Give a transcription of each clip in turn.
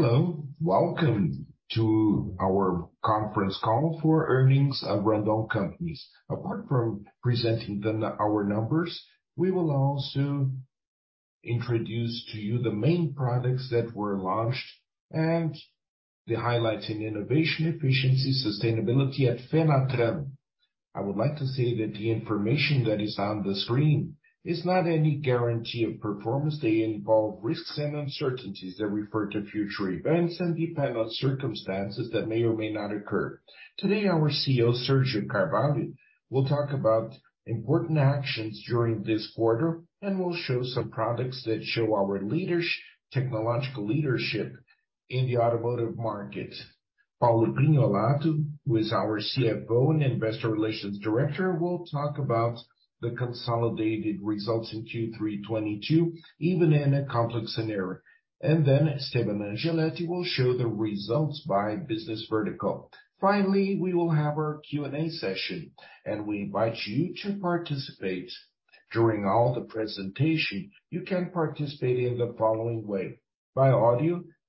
Hello. Welcome to our conference call for earnings of Randon Companies. Apart from presenting our numbers, we will also introduce to you the main products that were launched and the highlights in innovation, efficiency, sustainability at Fenatran. I would like to say that the information that is on the screen is not any guarantee of performance. They involve risks and uncertainties that refer to future events and depend on circumstances that may or may not occur. Today, our CEO, Sérgio Carvalho, will talk about important actions during this quarter and will show some products that show our technological leadership in the automotive market. Paulo Prignolato, who is our CFO and investor relations director, will talk about the consolidated results in Q3 2022, even in a complex scenario. Esteban Mario Angeletti will show the results by business vertical. Finally, we will have our Q&A session, and we invite you to participate. During all the presentation, you can participate in the following way. By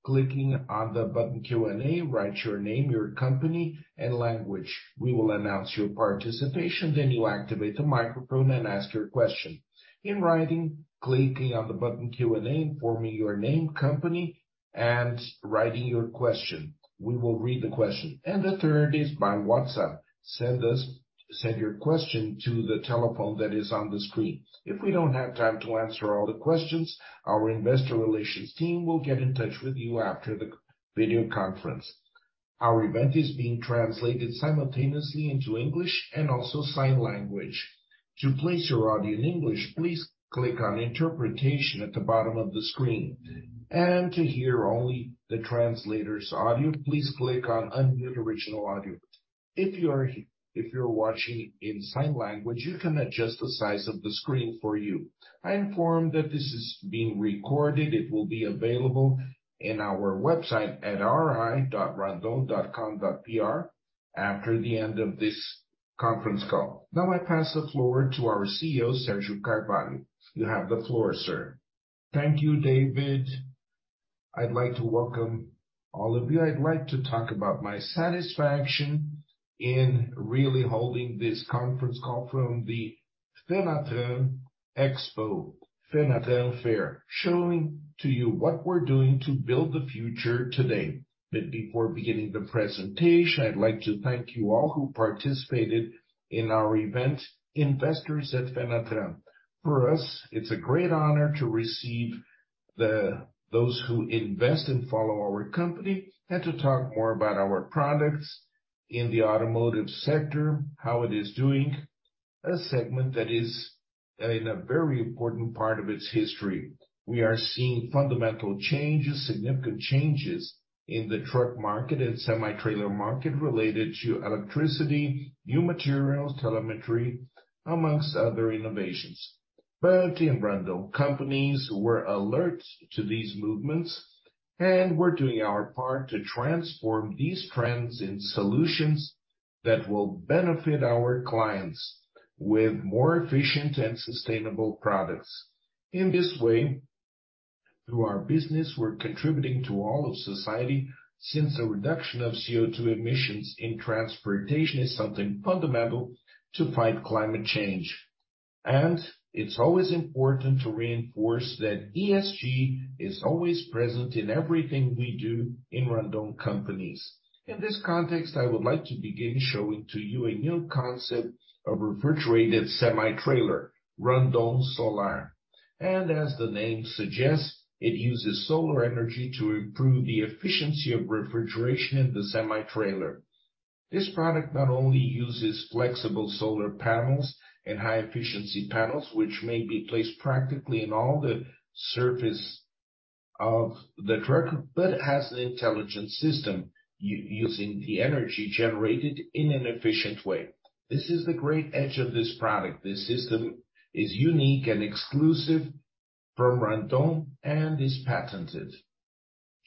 audio, clicking on the button Q&A, write your name, your company, and language. We will announce your participation, then you activate the microphone and ask your question. In writing, clicking on the button Q&A, informing your name, company, and writing your question. We will read the question. The third is by WhatsApp. Send your question to the telephone that is on the screen. If we don't have time to answer all the questions, our investor relations team will get in touch with you after the video conference. Our event is being translated simultaneously into English and also sign language. To place your audio in English, please click on Interpretation at the bottom of the screen. To hear only the translator's audio, please click on Unmute Original Audio. If you're watching in sign language, you can adjust the size of the screen for you. I inform that this is being recorded, it will be available in our website at ri.randon.com.br after the end of this conference call. Now I pass the floor to our CEO, Sérgio Carvalho. You have the floor, sir. Thank you, David. I'd like to welcome all of you. I'd like to talk about my satisfaction in really holding this conference call from the Fenatran Expo. Fenatran Fair, showing to you what we're doing to build the future today. Before beginning the presentation, I'd like to thank you all who participated in our event, Investors at Fenatran. For us, it's a great honor to receive those who invest and follow our company, and to talk more about our products in the automotive sector, how it is doing, a segment that is in a very important part of its history. We are seeing fundamental changes, significant changes in the truck market and semi-trailer market related to electricity, new materials, telemetry, among other innovations. In Randon Companies, we're alert to these movements, and we're doing our part to transform these trends in solutions that will benefit our clients with more efficient and sustainable products. In this way, through our business, we're contributing to all of society since the reduction of CO2 emissions in transportation is something fundamental to fight climate change. It's always important to reinforce that ESG is always present in everything we do in Randon Companies. In this context, I would like to begin showing to you a new concept of refrigerated semi-trailer, Randon Solar. As the name suggests, it uses solar energy to improve the efficiency of refrigeration in the semi-trailer. This product not only uses flexible solar panels and high efficiency panels, which may be placed practically in all the surface of the truck, but has an intelligent system using the energy generated in an efficient way. This is the great edge of this product. This system is unique and exclusive from Randon and is patented.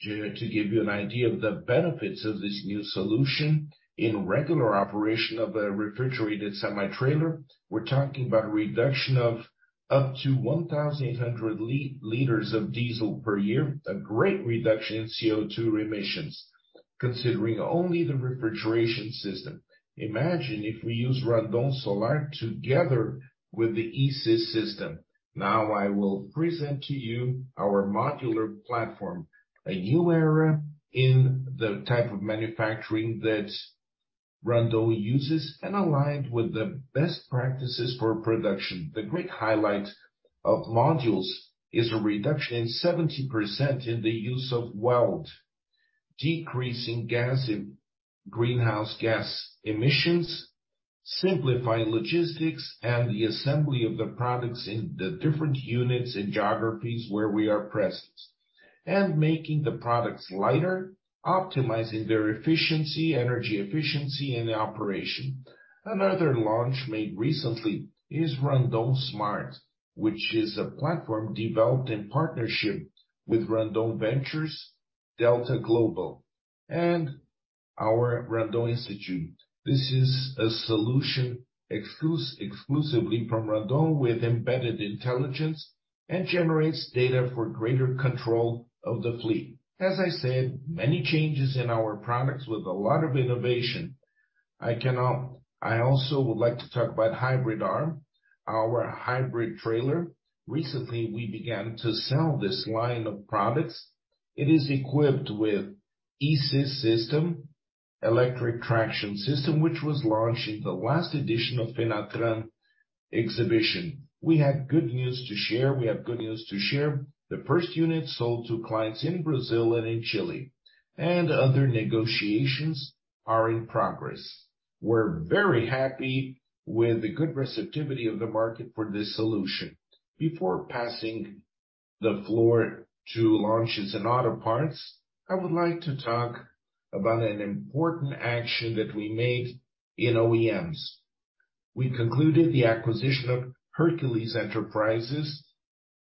To give you an idea of the benefits of this new solution, in regular operation of a refrigerated semi-trailer, we're talking about a reduction of up to 1,800 liters of diesel per year, a great reduction in CO2 emissions, considering only the refrigeration system. Imagine if we use Randon Solar together with the e-Sys system. Now I will present to you our modular platform, a new era in the type of manufacturing that Randon uses and aligned with the best practices for production. The great highlight of modules is a reduction in 70% in the use of weld, decreasing greenhouse gas emissions, simplifying logistics and the assembly of the products in the different units and geographies where we are present, and making the products lighter, optimizing their efficiency, energy efficiency in operation. Another launch made recently is Randon Smart, which is a platform developed in partnership with Randon Ventures, Delta Global, and Our Randon Institute. This is a solution exclusively from Randon with embedded intelligence and generates data for greater control of the fleet. As I said, many changes in our products with a lot of innovation. I cannot. I also would like to talk about Hybrid R, our hybrid trailer. Recently, we began to sell this line of products. It is equipped with e-Sys system, electric traction system, which was launched in the last edition of Fenatran exhibition. We have good news to share. The first unit sold to clients in Brazil and in Chile, and other negotiations are in progress. We're very happy with the good receptivity of the market for this solution. Before passing the floor to Fras-le and auto parts, I would like to talk about an important action that we made in OEMs. We concluded the acquisition of Hercules Enterprises.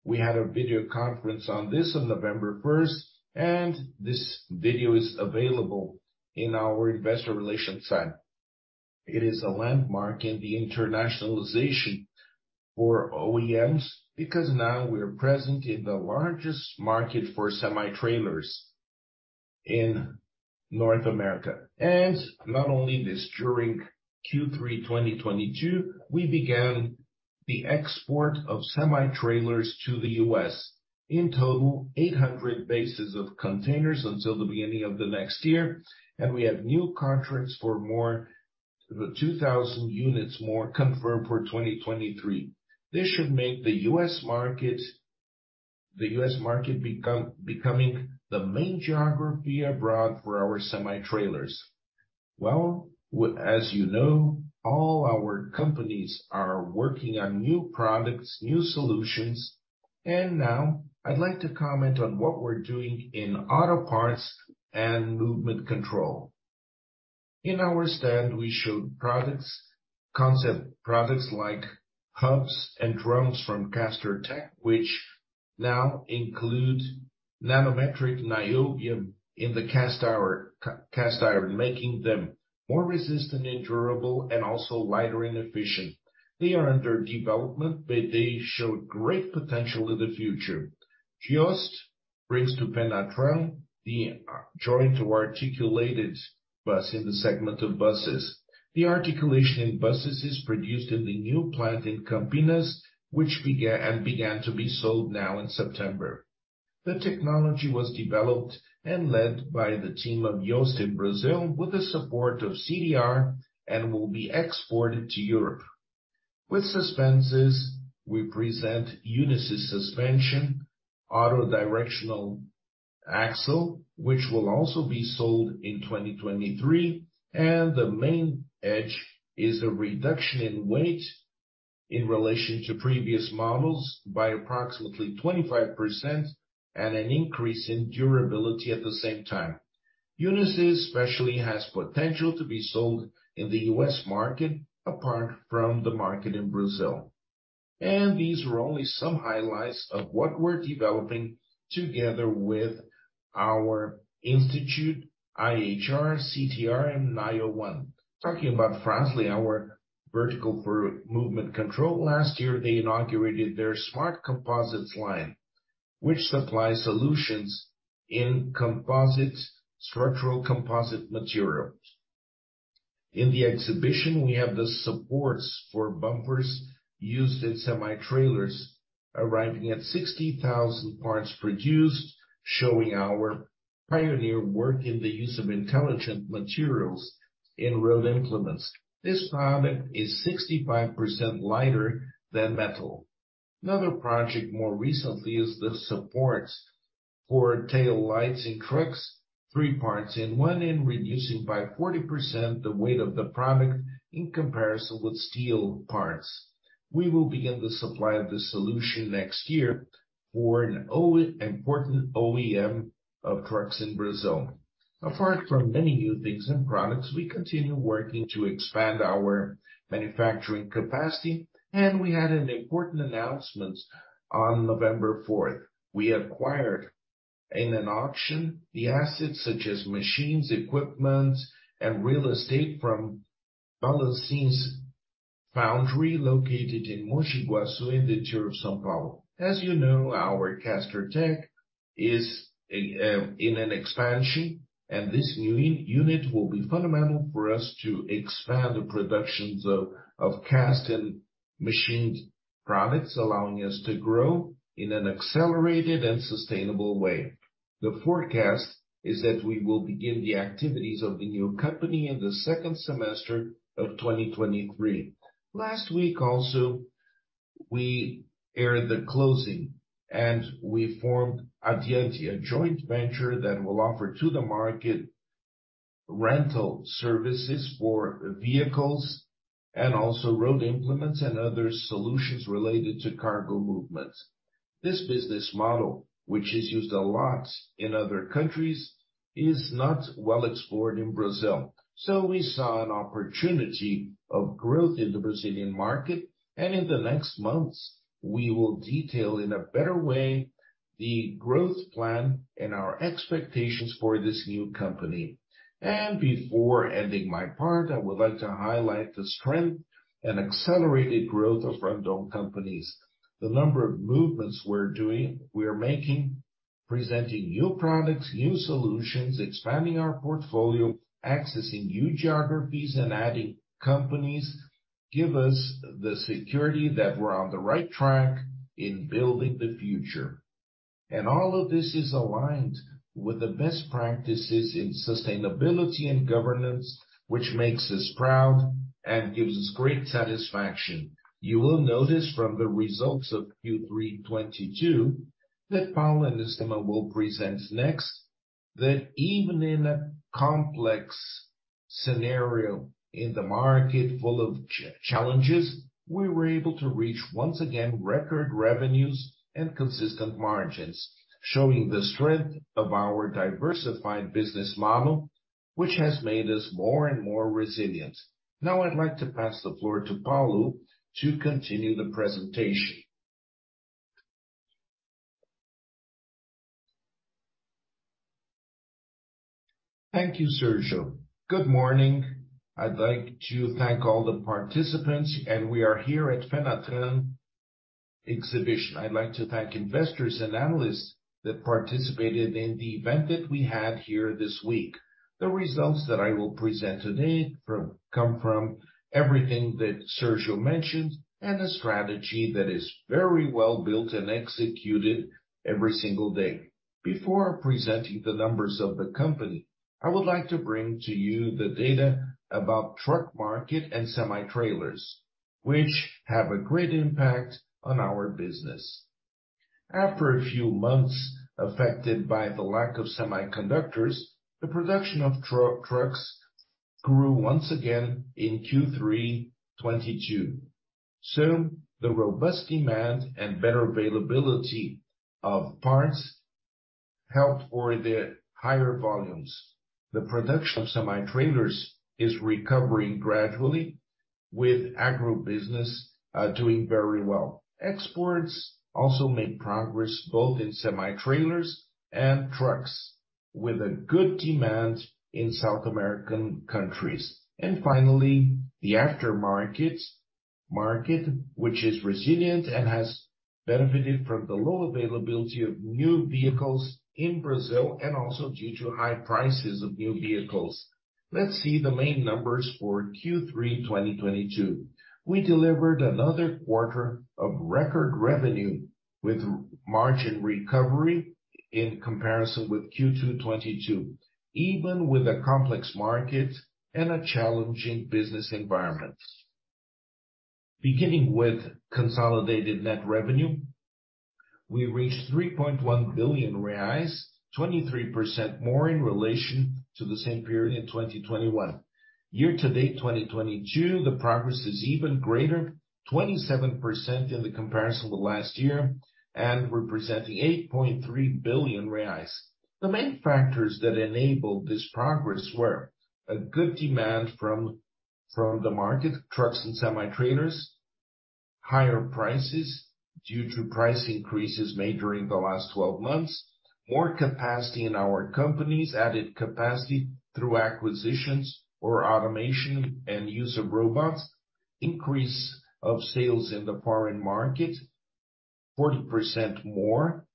We had a video conference on this on November first, and this video is available in our investor relations site. It is a landmark in the internationalization for OEMs because now we are present in the largest market for semi-trailers in North America. Not only this, during Q3 2022, we began the export of semi-trailers to the U.S. In total, 800 bases of containers until the beginning of the next year, and we have new contracts for more the 2,000 units more confirmed for 2023. This should make the U.S. market becoming the main geography abroad for our semi-trailers. Well, as you know, all our companies are working on new products, new solutions, and now I'd like to comment on what we're doing in auto parts and motion control. In our stand, we showed products, concept products like hubs and drums from Castertech, which now include nanometric niobium in the cast iron, gray cast iron, making them more resistant and durable and also lighter and efficient. They are under development, but they show great potential in the future. JOST brings to Fenatran the joint or articulated bus in the segment of buses. The articulation in buses is produced in the new plant in Campinas, which began to be sold now in September. The technology was developed and led by the team of JOST in Brazil with the support of CTR and will be exported to Europe. With suspensions, we present Unisys suspension auto directional axle, which will also be sold in 2023, and the main edge is a reduction in weight in relation to previous models by approximately 25% and an increase in durability at the same time. Unisys especially has potential to be sold in the U.S. market, apart from the market in Brazil. These were only some highlights of what we're developing together with our institute, IHR, CTR, and NIONE. Talking about Fras-le, our vertical for movement control. Last year, they inaugurated their Smart Composites line, which supplies solutions in composite structural composite materials. In the exhibition, we have the supports for bumpers used in semi-trailers, arriving at 60,000 parts produced, showing our pioneer work in the use of intelligent materials in road implements. This product is 65% lighter than metal. Another project more recently is the supports for tail lights in trucks, three parts in one and reducing by 40% the weight of the product in comparison with steel parts. We will begin the supply of this solution next year for an important OEM of trucks in Brazil. Apart from many new things and products, we continue working to expand our manufacturing capacity, and we had an important announcement on November fourth. We acquired in an auction the assets such as machines, equipment, and real estate from Fundição Balancins, located in Mogi Guaçu in the state of São Paulo. As you know, our Castertech is in an expansion, and this new unit will be fundamental for us to expand the productions of cast and machined products, allowing us to grow in an accelerated and sustainable way. The forecast is that we will begin the activities of the new company in the second semester of 2023. Last week also, we announced the closing, and we formed Addiante, a joint venture that will offer to the market rental services for vehicles and also road implements and other solutions related to cargo movement. This business model, which is used a lot in other countries, is not well explored in Brazil. We saw an opportunity of growth in the Brazilian market, and in the next months, we will detail in a better way the growth plan and our expectations for this new company. Before ending my part, I would like to highlight the strength and accelerated growth of Randon Companies. The number of movements we're making, presenting new products, new solutions, expanding our portfolio, accessing new geographies and adding companies, give us the security that we're on the right track in building the future. All of this is aligned with the best practices in sustainability and governance, which makes us proud and gives us great satisfaction. You will notice from the results of Q3 2022, that Paulo Prignolato will present next, that even in a complex scenario in the market full of challenges, we were able to reach once again, record revenues and consistent margins, showing the strength of our diversified business model, which has made us more and more resilient. Now I'd like to pass the floor to Paulo to continue the presentation. Thank you, Sérgio. Good morning. I'd like to thank all the participants, we are here at Fenatran Exhibition. I'd like to thank investors and analysts that participated in the event that we had here this week. The results that I will present today come from everything that Sergio mentioned and a strategy that is very well built and executed every single day. Before presenting the numbers of the company, I would like to bring to you the data about truck market and semi-trailers, which have a great impact on our business. After a few months affected by the lack of semiconductors, the production of trucks grew once again in Q3 2022. Soon, the robust demand and better availability of parts helped for the higher volumes. The production of semi-trailers is recovering gradually with agro business doing very well. Exports also made progress, both in semi-trailers and trucks, with a good demand in South American countries. Finally, the aftermarket market, which is resilient and has benefited from the low availability of new vehicles in Brazil and also due to high prices of new vehicles. Let's see the main numbers for Q3 2022. We delivered another quarter of record revenue with margin recovery in comparison with Q2 2022, even with a complex market and a challenging business environment. Beginning with consolidated net revenue, we reached 3.1 billion reais, 23% more in relation to the same period in 2021. Year to date 2022, the progress is even greater, 27% in the comparison to last year, and representing 8.3 billion reais. The main factors that enabled this progress were a good demand from the market, trucks and semi-trailers, higher prices due to price increases made during the last 12 months, more capacity in our companies, added capacity through acquisitions or automation and use of robots, increase of sales in the foreign market 40% more,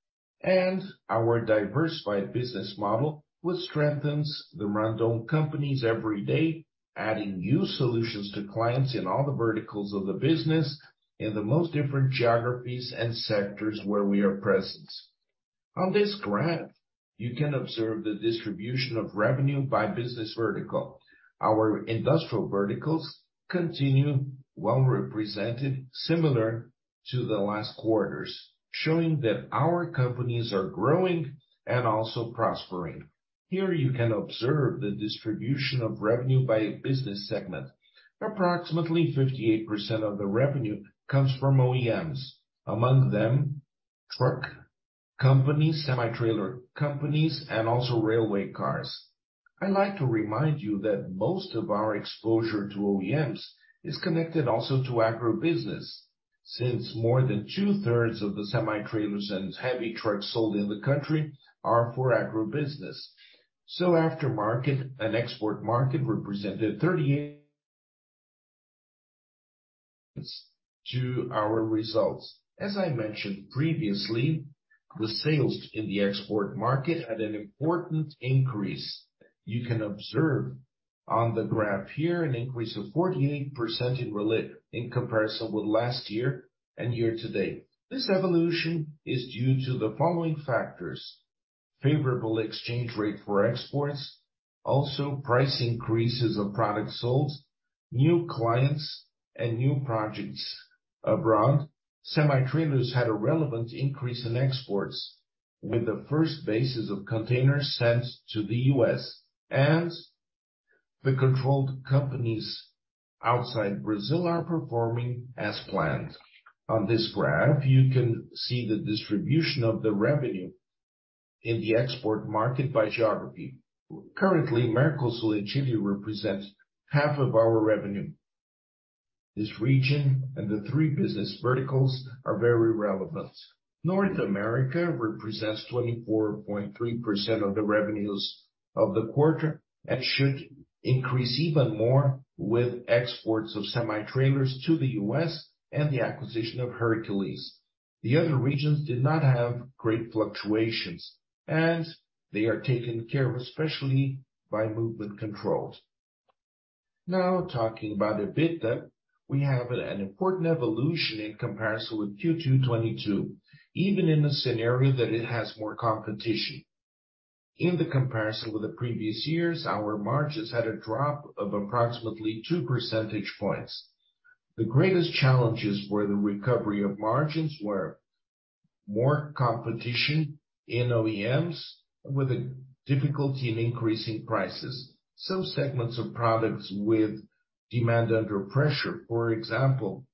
and our diversified business model, which strengthens the Randon Companies every day, adding new solutions to clients in all the verticals of the business, in the most different geographies and sectors where we are present. On this graph, you can observe the distribution of revenue by business vertical. Our industrial verticals continue well represented similar to the last quarters, showing that our companies are growing and also prospering. Here you can observe the distribution of revenue by business segment. Approximately 58% of the revenue comes from OEMs, among them truck companies, semi-trailer companies, and also railway cars. I like to remind you that most of our exposure to OEMs is connected also to agro business, since more than two-thirds of the semi-trailers and heavy trucks sold in the country are for agro business. Aftermarket and export market represented 38% to our results. As I mentioned previously, the sales in the export market had an important increase. You can observe on the graph here an increase of 48% in comparison with last year and year to date. This evolution is due to the following factors, favorable exchange rate for exports, also price increases of products sold, new clients and new projects abroad. Semi-trailers had a relevant increase in exports with the first batch of containers sent to the U.S., and the controlled companies outside Brazil are performing as planned. On this graph, you can see the distribution of the revenue in the export market by geography. Currently, Mercosul and Chile represents half of our revenue. This region and the three business verticals are very relevant. North America represents 24.3% of the revenues of the quarter, and should increase even more with exports of semi-trailers to the U.S. and the acquisition of Hercules. The other regions did not have great fluctuations, and they are taken care of especially by movement controls. Now, talking about EBITDA, we have an important evolution in comparison with Q2 2022, even in a scenario that it has more competition. In the comparison with the previous years, our margins had a drop of approximately 2 percentage points. The greatest challenges for the recovery of margins were more competition in OEMs with a difficulty in increasing prices, some segments of products with demand under pressure, for example,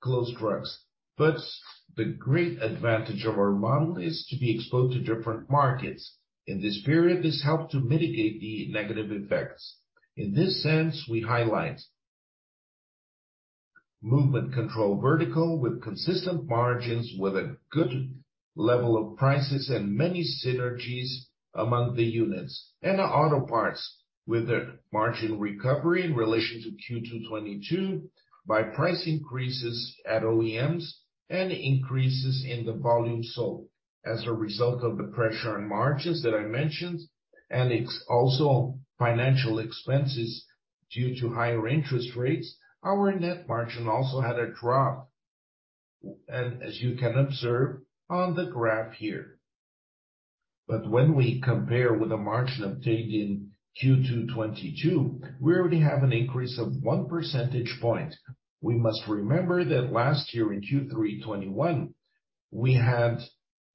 closed trucks. The great advantage of our model is to be exposed to different markets. In this period, this helped to mitigate the negative effects. In this sense, we highlight motion control vertical with consistent margins, with a good level of prices and many synergies among the units. Our auto parts with the margin recovery in relation to Q2 2022 by price increases at OEMs and increases in the volume sold. As a result of the pressure on margins that I mentioned and also financial expenses due to higher interest rates, our net margin also had a drop, and as you can observe on the graph here. When we compare with the margin obtained in Q2 2022, we already have an increase of 1 percentage point.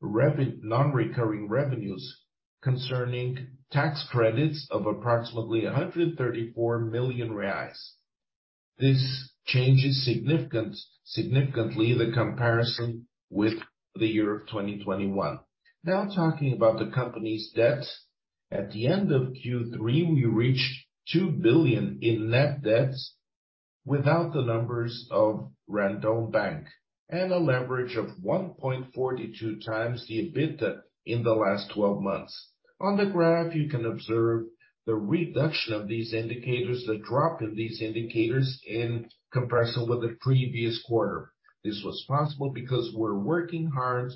We must remember that last year in Q3 2021, we had non-recurring revenues concerning tax credits of approximately 134 million reais. This changes significantly the comparison with the year of 2021. Now talking about the company's debt. At the end of Q3, we reached 2 billion in net debts without the numbers of Banco Randon, and a leverage of 1.42x the EBITDA in the last twelve months. On the graph, you can observe the reduction of these indicators, the drop in these indicators in comparison with the previous quarter. This was possible because we're working hard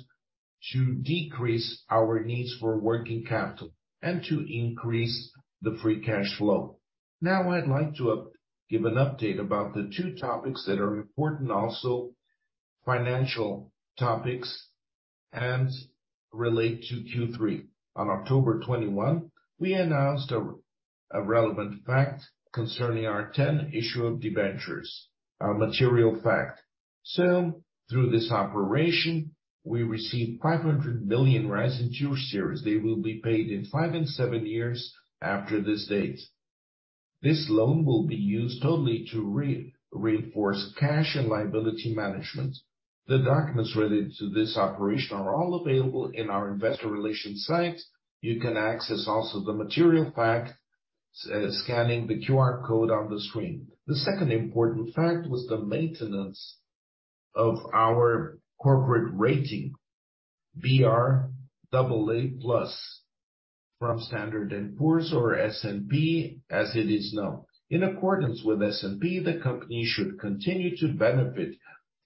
to decrease our needs for working capital and to increase the free cash flow. Now I'd like to give an update about the two topics that are important, also financial topics and relate to Q3. On October 21st, we announced a relevant fact concerning our tenth issue of debentures, a material fact. Through this operation, we received 500 million in two series. They will be paid in five and seven years after this date. This loan will be used totally to reinforce cash and liability management. The documents related to this operation are all available in our investor relations site. You can access also the material fact, scanning the QR code on the screen. The second important fact was the maintenance of our corporate rating, brAA+ from Standard & Poor's or S&P as it is known. In accordance with S&P, the company should continue to benefit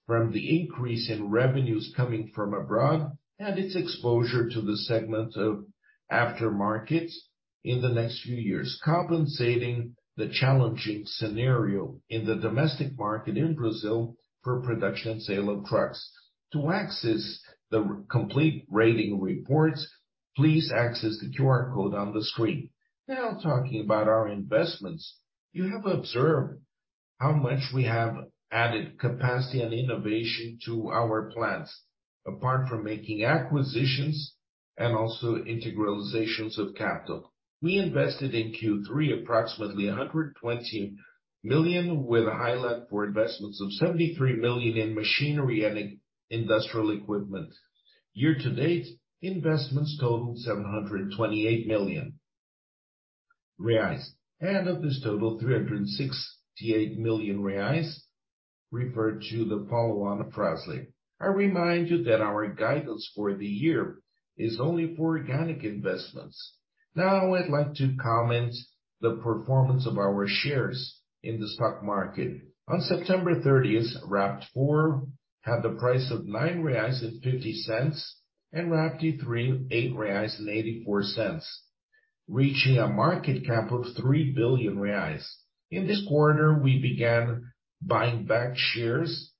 from the increase in revenues coming from abroad and its exposure to the segment of aftermarket in the next few years, compensating the challenging scenario in the domestic market in Brazil for production and sale of trucks. To access the complete rating reports, please access the QR code on the screen. Now talking about our investments. You have observed how much we have added capacity and innovation to our plans. Apart from making acquisitions and also integralizations of capital, we invested in Q3 approximately 120 million, with a highlight for investments of 73 million in machinery and in industrial equipment. Year to date, investments totaled 728 million reais, and of this total, 368 million reais referred to the follow-on of Fras-le. I remind you that our guidance for the year is only for organic investments. Now, I'd like to comment on the performance of our shares in the stock market. On September 30th, RAPT4 had the price of 9.50 reais, and RAPT3, 8.84 reais, reaching a market cap of 3 billion reais. In this quarter, we began buying back shares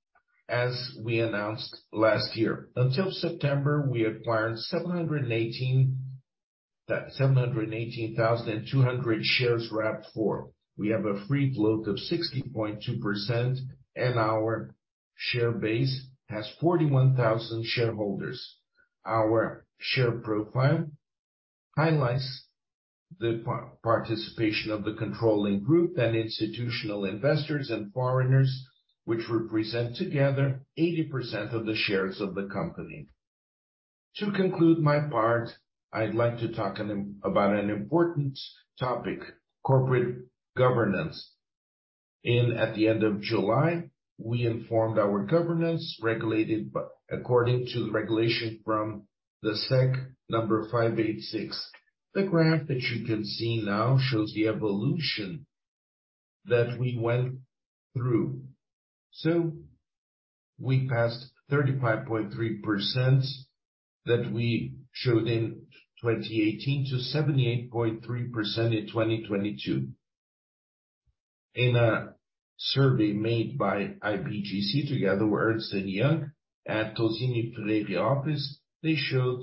as we announced last year. Until September, we acquired 718,200 shares RAPT4. We have a free float of 60.2%, and our share base has 41,000 shareholders. Our share profile highlights the participation of the controlling group and institutional investors and foreigners, which represent together 80% of the shares of the company. To conclude my part, I'd like to talk about an important topic, corporate governance. At the end of July, we informed our governance regulated by according to the regulation from the CVM 586. The graph that you can see now shows the evolution that we went through. We passed 35.3% that we showed in 2018 to 78.3% in 2022. In a survey made by IBGC together with Ernst & Young at TozziniFreire Advogados, they showed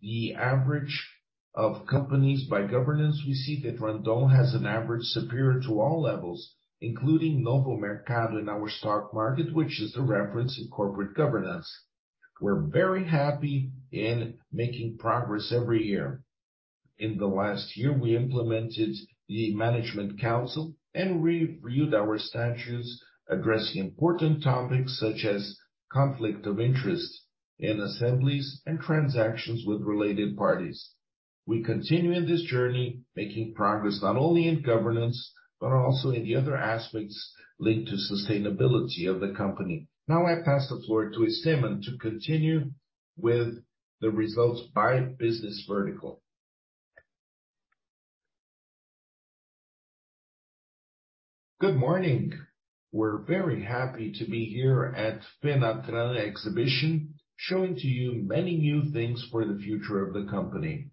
the average of companies by governance. We see that Randon has an average superior to all levels, including Novo Mercado in our stock market, which is a reference in corporate governance. We're very happy in making progress every year. In the last year, we implemented the management council and re-reviewed our statutes, addressing important topics such as conflict of interest in assemblies and transactions with related parties. We continue in this journey, making progress not only in governance, but also in the other aspects linked to sustainability of the company. Now I pass the floor to Esteban to continue with the results by business vertical. Good morning. We're very happy to be here at Fenatran exhibition, showing to you many new things for the future of the company.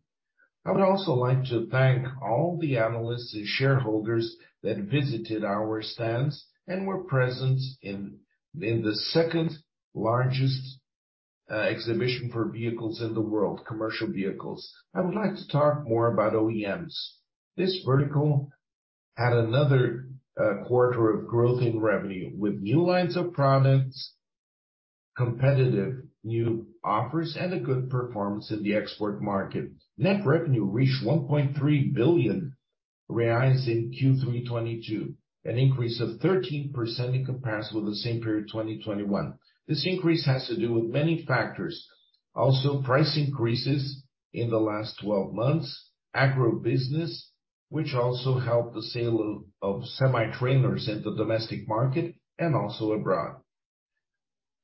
I would also like to thank all the analysts and shareholders that visited our stands and were present in the second largest exhibition for commercial vehicles in the world. I would like to talk more about OEMs. This vertical had another quarter of growth in revenue with new lines of products, competitive new offers, and a good performance in the export market. Net revenue reached 1.3 billion reais in Q3 2022, an increase of 13% in comparison with the same period, 2021. This increase has to do with many factors. Price increases in the last 12 months, agribusiness, which also helped the sale of semi-trailers in the domestic market and also abroad.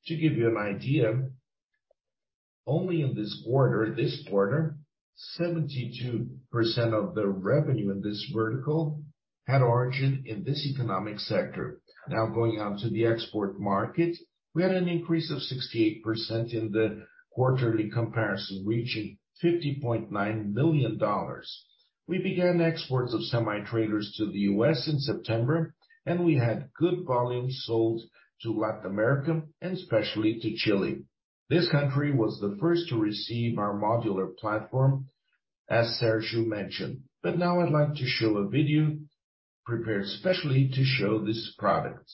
To give you an idea, only in this quarter, 72% of the revenue in this vertical had origin in this economic sector. Now going on to the export market. We had an increase of 68% in the quarterly comparison, reaching $50.9 million. We began exports of semi-trailers to the U.S. in September, and we had good volumes sold to Latin America and especially to Chile. This country was the first to receive our modular platform, as Sergio mentioned. Now I'd like to show a video prepared specially to show this product.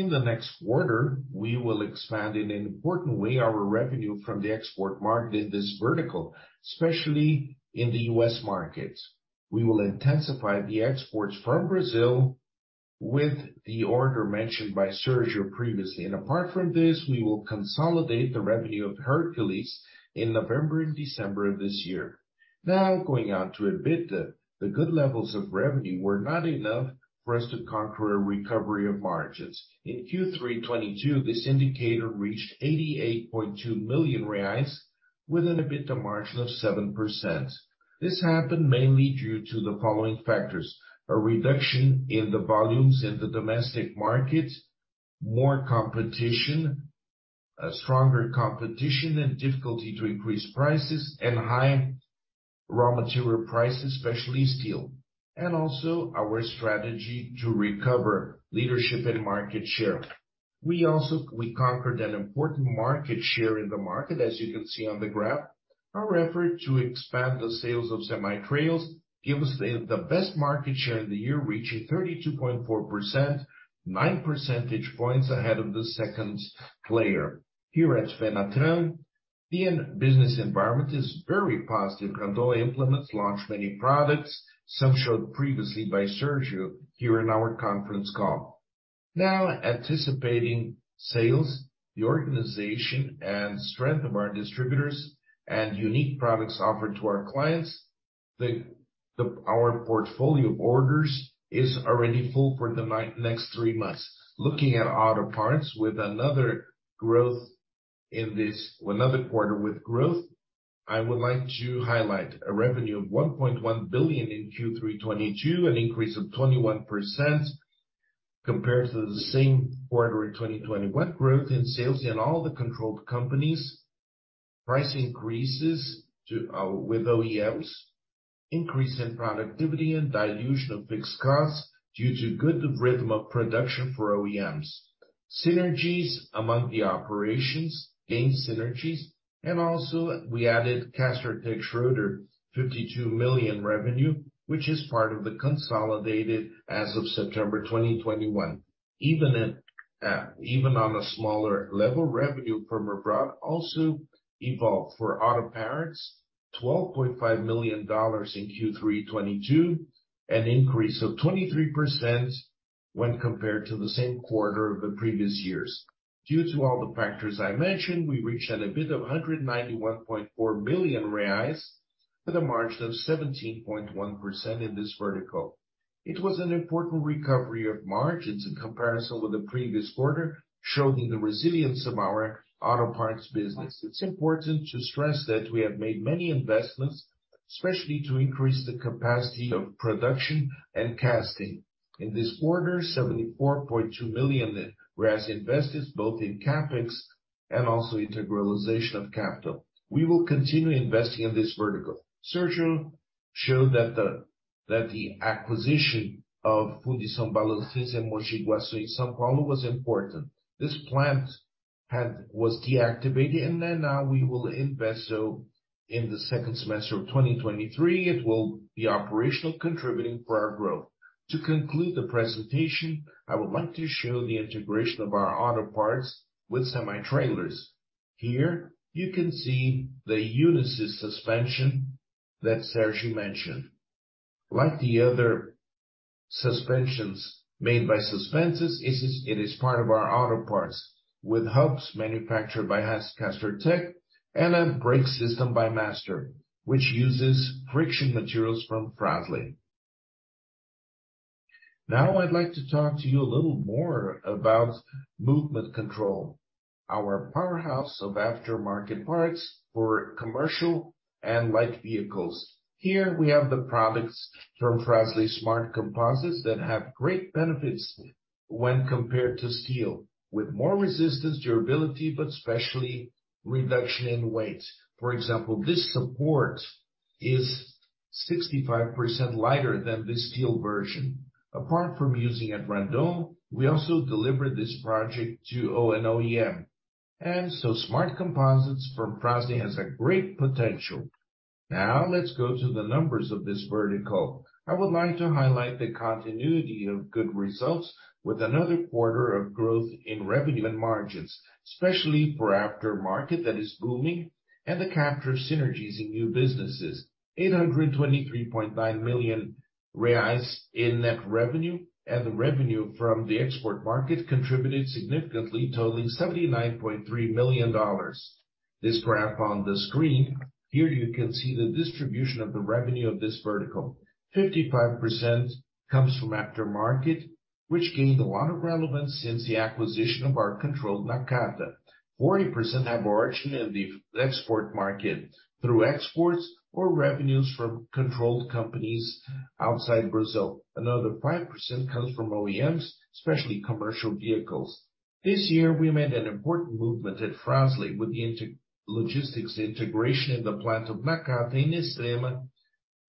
In the next quarter, we will expand in an important way our revenue from the export market in this vertical, especially in the US markets. We will intensify the exports from Brazil with the order mentioned by Sérgio previously. apart from this, we will consolidate the revenue of Hercules in November and December of this year. Now, going on to EBITDA, the good levels of revenue were not enough for us to conquer a recovery of margins. In Q3 2022, this indicator reached 88.2 million reais with an EBITDA margin of 7%. This happened mainly due to the following factors: a reduction in the volumes in the domestic market, more competition, a stronger competition and difficulty to increase prices, and high raw material prices, especially steel, and also our strategy to recover leadership and market share. We conquered an important market share in the market, as you can see on the graph. Our effort to expand the sales of semi-trailers gave us the best market share in the year, reaching 32.4%, 9 percentage points ahead of the second player. Here at Fenatran, the business environment is very positive. Randon Implementos launched many products, some showed previously by Sérgio here in our conference call. Now anticipating sales, the organization and strength of our distributors and unique products offered to our clients, our portfolio of orders is already full for the next three months. Looking at auto parts with another growth another quarter with growth, I would like to highlight a revenue of 1.1 billion in Q3 2022, an increase of 21% compared to the same quarter in 2021. Growth in sales in all the controlled companies, price increases to, with OEMs, increase in productivity and dilution of fixed costs due to good rhythm of production for OEMs. Synergies among the operations, gain synergies, and also we added Castertech Schroeder, 52 million revenue, which is part of the consolidated as of September 2021. Even in, even on a smaller level, revenue from abroad also evolved. For auto parts, $12.5 million in Q3 2022, an increase of 23% when compared to the same quarter of the previous years. Due to all the factors I mentioned, we reached an EBIT of 191.4 billion reais, with a margin of 17.1% in this vertical. It was an important recovery of margins in comparison with the previous quarter, showing the resilience of our auto parts business. It's important to stress that we have made many investments, especially to increase the capacity of production and casting. In this quarter, 74.2 million invested both in CapEx and also integralization of capital. We will continue investing in this vertical. Sérgio showed that the acquisition of Fundição Balancins in Mogi Guaçu in São Paulo was important. This plant was deactivated, and then now we will invest. In the second semester of 2023, it will be operational, contributing for our growth. To conclude the presentation, I would like to show the integration of our auto parts with semi-trailers. Here you can see the Unisys suspension that Sérgio mentioned. Like the other suspensions made by Suspensys, it is part of our auto parts with hubs manufactured by Castertech and a brake system by Master, which uses friction materials from Fras-le. Now I'd like to talk to you a little more about Motion Control, our powerhouse of aftermarket parts for commercial and light vehicles. Here we have the products from Fras-le Smart Composites that have great benefits when compared to steel, with more resistance, durability, but especially reduction in weight. For example, this support is 65% lighter than this steel version. Apart from using at Randon, we also delivered this project to an OEM. Smart Composites from Fras-le has a great potential. Now let's go to the numbers of this vertical. I would like to highlight the continuity of good results with another quarter of growth in revenue and margins, especially for aftermarket that is booming and the capture of synergies in new businesses. 823.9 million reais in net revenue, and the revenue from the export market contributed significantly, totaling $79.3 million. This graph on the screen, here you can see the distribution of the revenue of this vertical. 55% comes from aftermarket, which gained a lot of relevance since the acquisition of our controlled Nakata. 40% have origin in the export market through exports or revenues from controlled companies outside Brazil. Another 5% comes from OEMs, especially commercial vehicles. This year, we made an important movement at Fras-le with the logistics integration in the plant of Nakata in Extrema,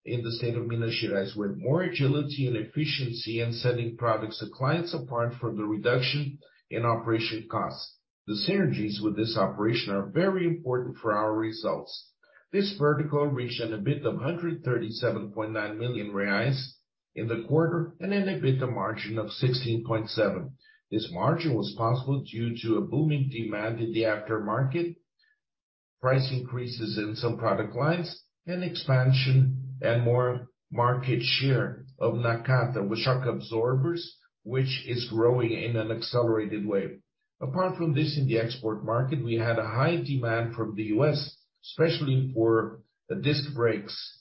in the state of Minas Gerais, with more agility and efficiency in sending products to clients, apart from the reduction in operation costs. The synergies with this operation are very important for our results. This vertical reached an EBIT of 137.9 million reais in the quarter and an EBITDA margin of 16.7%. This margin was possible due to a booming demand in the aftermarket, price increases in some product lines, and expansion and more market share of Nakata with shock absorbers, which is growing in an accelerated way. Apart from this, in the export market, we had a high demand from the US, especially for the disc brakes,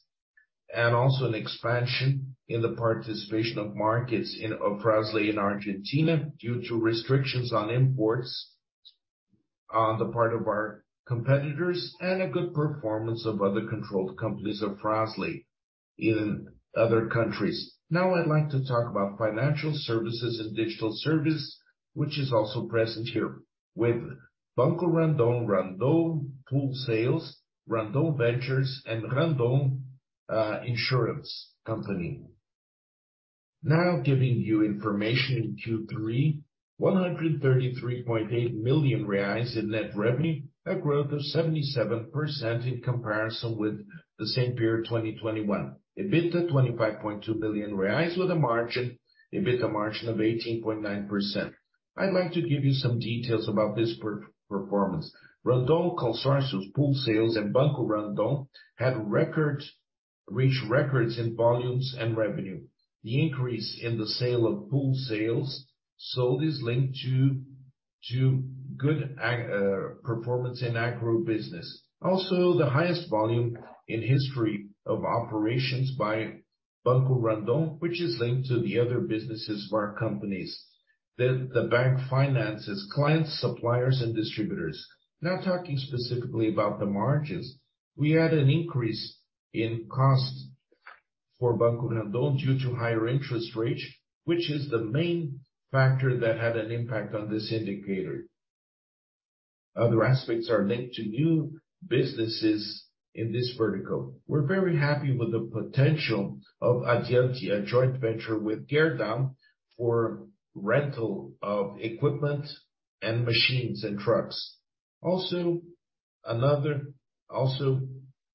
and also an expansion in the participation of markets of Fras-le in Argentina due to restrictions on imports on the part of our competitors and a good performance of other controlled companies of Fras-le in other countries. I'd like to talk about financial services and digital service, which is also present here with Banco Randon Pool Sales, Randon Ventures, and Randon Seguros. Giving you information in Q3, 133.8 million reais in net revenue, a growth of 77% in comparison with the same period of 2021. EBITDA, 25.2 million reais, with an EBITDA margin of 18.9%. I'd like to give you some details about this performance. Randon Consórcios pool sales and Banco Randon reached records in volumes and revenue. The increase in the sale of pool sales sold is linked to good performance in agribusiness. The highest volume in history of operations by Banco Randon, which is linked to the other businesses of our companies. The bank finances clients, suppliers, and distributors. Now talking specifically about the margins, we had an increase in costs for Banco Randon due to higher interest rates, which is the main factor that had an impact on this indicator. Other aspects are linked to new businesses in this vertical. We're very happy with the potential of Addiante, a joint venture with Gerdau for rental of equipment and machines and trucks.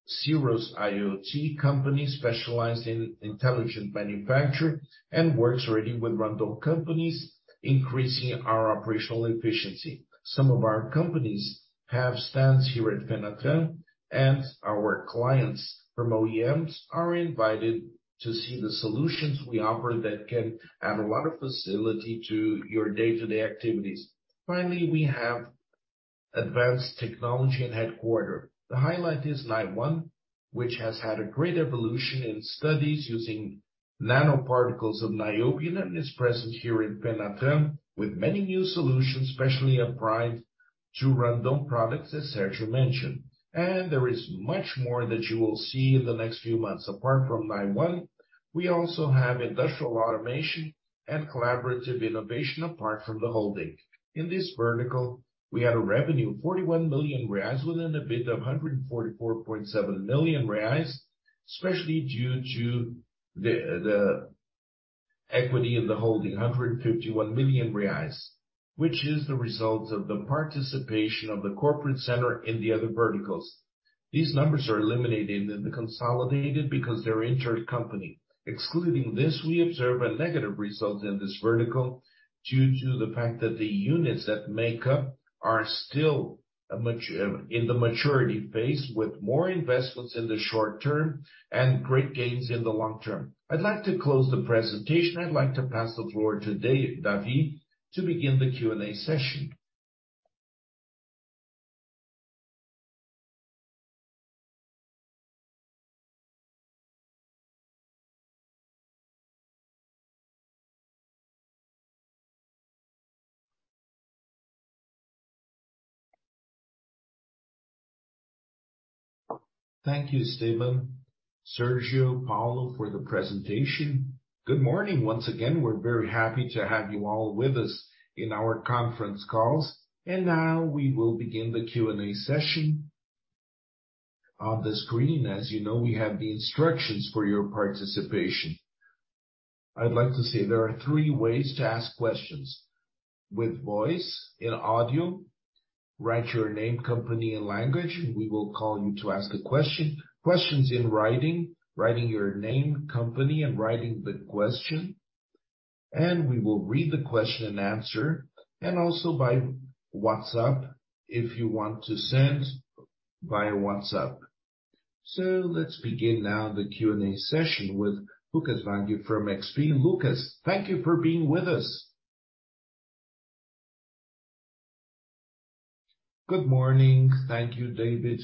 Sirros IoT company specializes in intelligent manufacturing and works already with Randon companies, increasing our operational efficiency. Some of our companies have stands here at Fenatran, and our clients from OEMs are invited to see the solutions we offer that can add a lot of facility to your day-to-day activities. Finally, we have advanced technology and headquarters. The highlight is NIONE, which has had a great evolution in studies using nanoparticles of niobium and is present here in Fenatran with many new solutions, especially applied to Randon products, as Sérgio mentioned. There is much more that you will see in the next few months. Apart from NIONE, we also have industrial automation and collaborative innovation apart from the holding. In this vertical, we had a revenue of 41 million reais within the EBITDA of 144.7 million reais, especially due to the equity in the holding, 151 million reais, which is the result of the participation of the corporate center in the other verticals. These numbers are eliminated and consolidated because they're intercompany. Excluding this, we observe a negative result in this vertical due to the fact that the units that make up are still in the maturity phase, with more investments in the short term and great gains in the long term. I'd like to close the presentation. I'd like to pass the floor to David to begin the Q&A session. Thank you, Esteban, Sérgio, Paulo, for the presentation. Good morning once again. We're very happy to have you all with us in our conference calls. Now we will begin the Q&A session. On the screen, as you know, we have the instructions for your participation. I'd like to say there are three ways to ask questions. With voice in audio, write your name, company, and language, and we will call you to ask a question. Questions in writing your name, company, and writing the question, and we will read the question and answer. Also by WhatsApp, if you want to send by WhatsApp. Let's begin now the Q&A session with Lucas Laghi from XP. Lucas, thank you for being with us. Good morning. Thank you, David.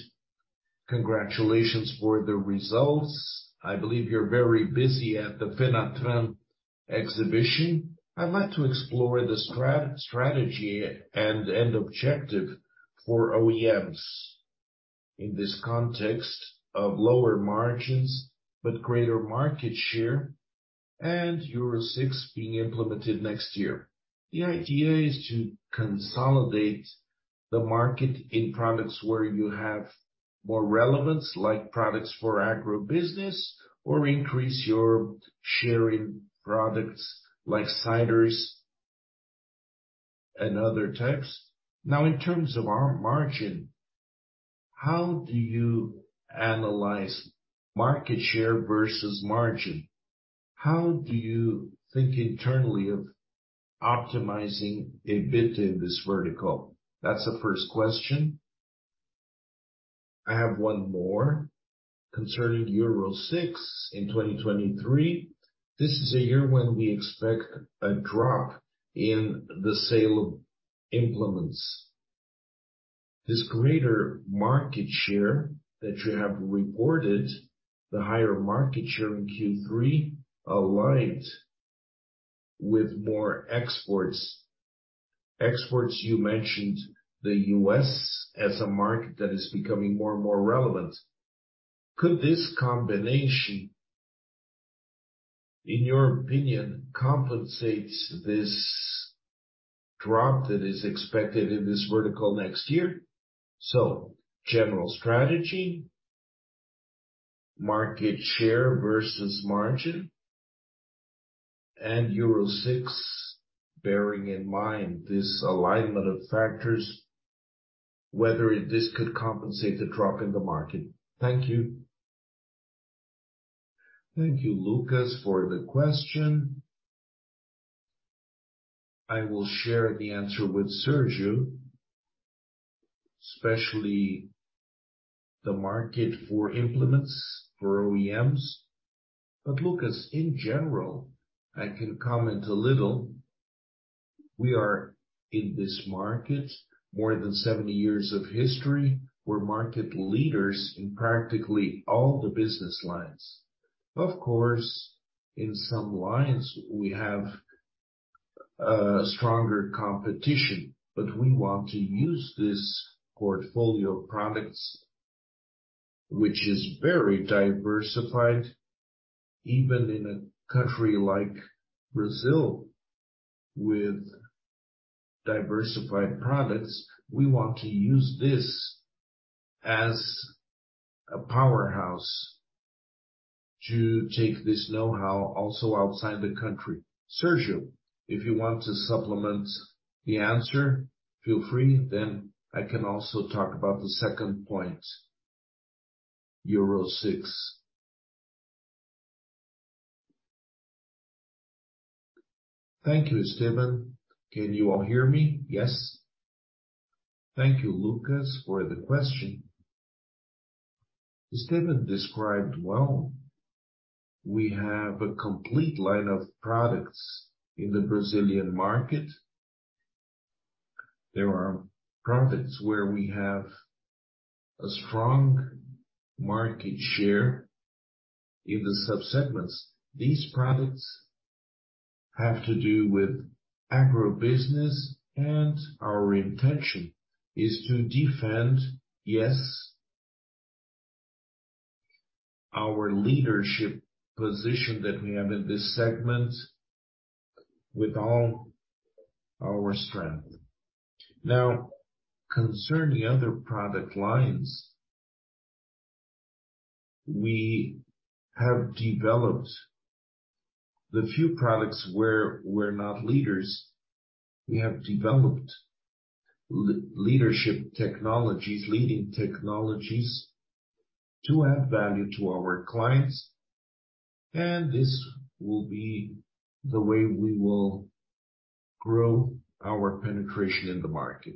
Congratulations for the results. I believe you're very busy at the Fenatran exhibition. I'd like to explore the strategy and objective for OEMs in this context of lower margins, but greater market share, and Euro 6 being implemented next year. The idea is to consolidate the market in products where you have more relevance, like products for agribusiness or increase your share in products like siders and other types. Now, in terms of our margin, how do you analyze market share versus margin? How do you think internally of optimizing EBITDA in this vertical? That's the first question. I have one more concerning Euro 6 in 2023. This is a year when we expect a drop in the sale of implements. This greater market share that you have reported, the higher market share in Q3, aligns with more exports. Exports, you mentioned the U.S. as a market that is becoming more and more relevant. Could this combination, in your opinion, compensate this drop that is expected in this vertical next year. General strategy, market share versus margin and Euro 6, bearing in mind this alignment of factors, whether this could compensate the drop in the market. Thank you. Thank you, Lucas, for the question. I will share the answer with Sérgio, especially the market for implements for OEMs. Lucas, in general, I can comment a little. We are in this market more than 70 years of history. We're market leaders in practically all the business lines. Of course, in some lines we have stronger competition, but we want to use this portfolio of products, which is very diversified, even in a country like Brazil, with diversified products. We want to use this as a powerhouse to take this know-how also outside the country. Sérgio, if you want to supplement the answer, feel free. I can also talk about the second point, Euro 6. Thank you, Esteban. Can you all hear me? Yes. Thank you, Lucas, for the question. Esteban described well. We have a complete line of products in the Brazilian market. There are products where we have a strong market share in the sub-segments. These products have to do with agribusiness, and our intention is to defend, yes, our leadership position that we have in this segment with all our strength. Now, concerning other product lines, we have developed the few products where we're not leaders. We have developed leading technologies to add value to our clients, and this will be the way we will grow our penetration in the market.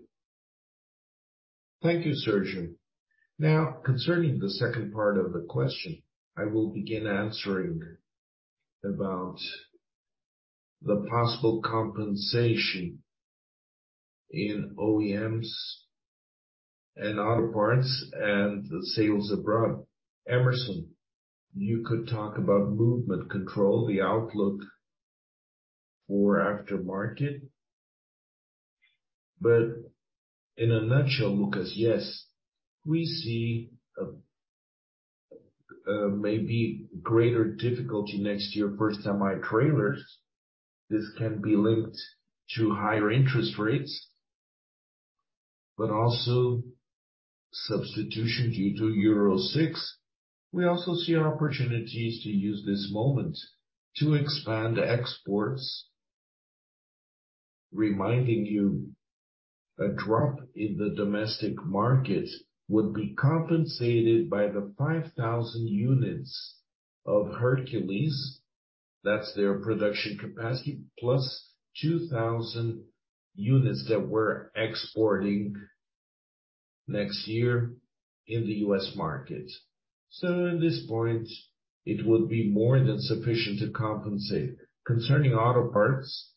Thank you, Sérgio. Now, concerning the second part of the question, I will begin answering about the possible competition in OEMs and auto parts and the sales abroad. Emerson, you could talk about motion control, the outlook for aftermarket. In a nutshell, Lucas, yes, we see a maybe greater difficulty next year for semi-trailers. This can be linked to higher interest rates, but also substitution due to Euro 6. We also see opportunities to use this moment to expand exports. Reminding you a drop in the domestic market would be compensated by the 5,000 units of Hercules. That's their production capacity, plus 2,000 units that we're exporting next year in the U.S. market. At this point, it would be more than sufficient to compensate. Concerning auto parts,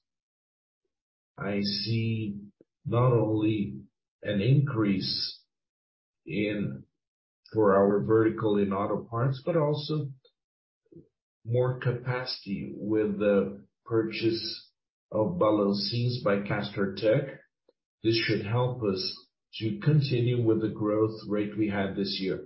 I see not only an increase for our vertical in auto parts, but also more capacity with the purchase of Fundição Balancins by Castertech. This should help us to continue with the growth rate we had this year.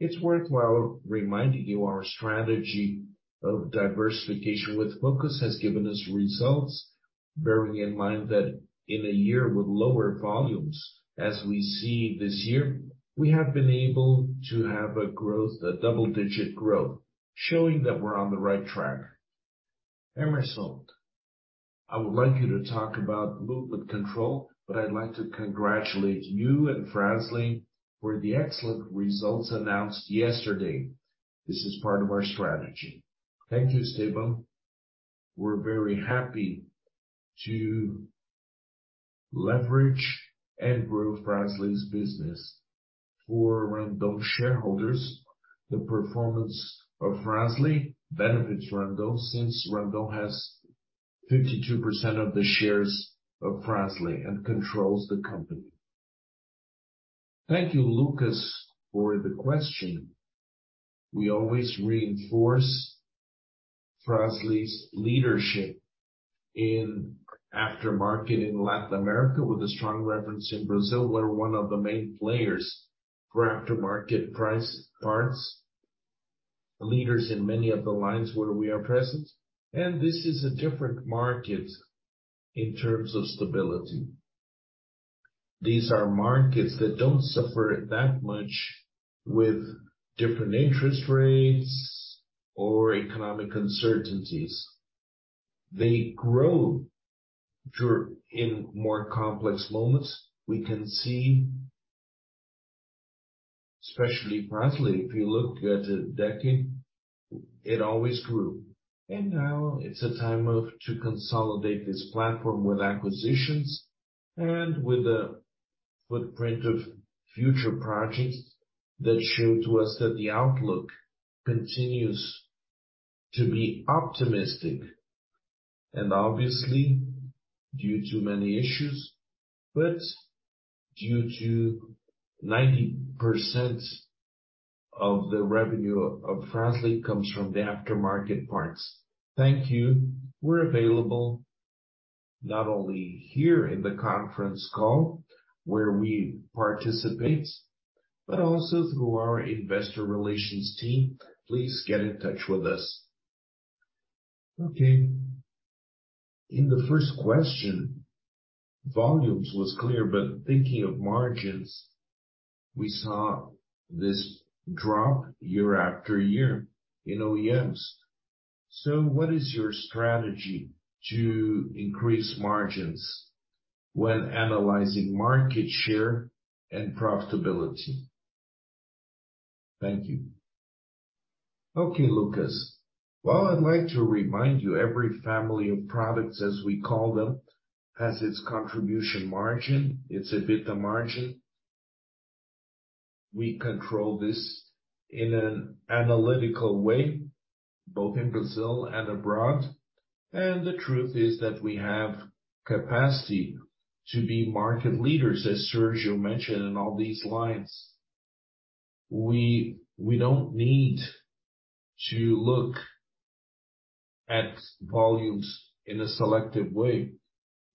It's worthwhile reminding you our strategy of diversification with focus has given us results, bearing in mind that in a year with lower volumes, as we see this year, we have been able to have a growth, a double-digit growth, showing that we're on the right track. Emerson, I would like you to talk about motion control, but I'd like to congratulate you and Fras-le for the excellent results announced yesterday. This is part of our strategy. Thank you, Esteban. We're very happy to leverage and grow Fras-le's business. For Randon shareholders, the performance of Fras-le benefits Randon since Randon has 52% of the shares of Fras-le and controls the company. Thank you, Lucas, for the question. We always reinforce Fras-le's leadership in aftermarket in Latin America with a strong reference in Brazil. We're one of the main players for aftermarket spare parts. Leaders in many of the lines where we are present. This is a different market in terms of stability. These are markets that don't suffer that much with different interest rates or economic uncertainties. They grow sure in more complex moments. We can see, especially Fras-le, if you look at a decade, it always grew. Now it's a time to consolidate this platform with acquisitions and with a footprint of future projects that show to us that the outlook continues to be optimistic and obviously due to many issues, but due to 90% of the revenue of Fras-le comes from the aftermarket parts. Thank you. We're available not only here in the conference call where we participate, but also through our investor relations team. Please get in touch with us. Okay. In the first question, volumes was clear, but thinking of margins, we saw this drop year after year in OEMs. So what is your strategy to increase margins when analyzing market share and profitability? Thank you. Okay, Lucas. Well, I'd like to remind you, every family of products, as we call them, has its contribution margin. It's about the margin. We control this in an analytical way, both in Brazil and abroad. The truth is that we have capacity to be market leaders, as Sérgio mentioned, in all these lines. We don't need to look at volumes in a selective way.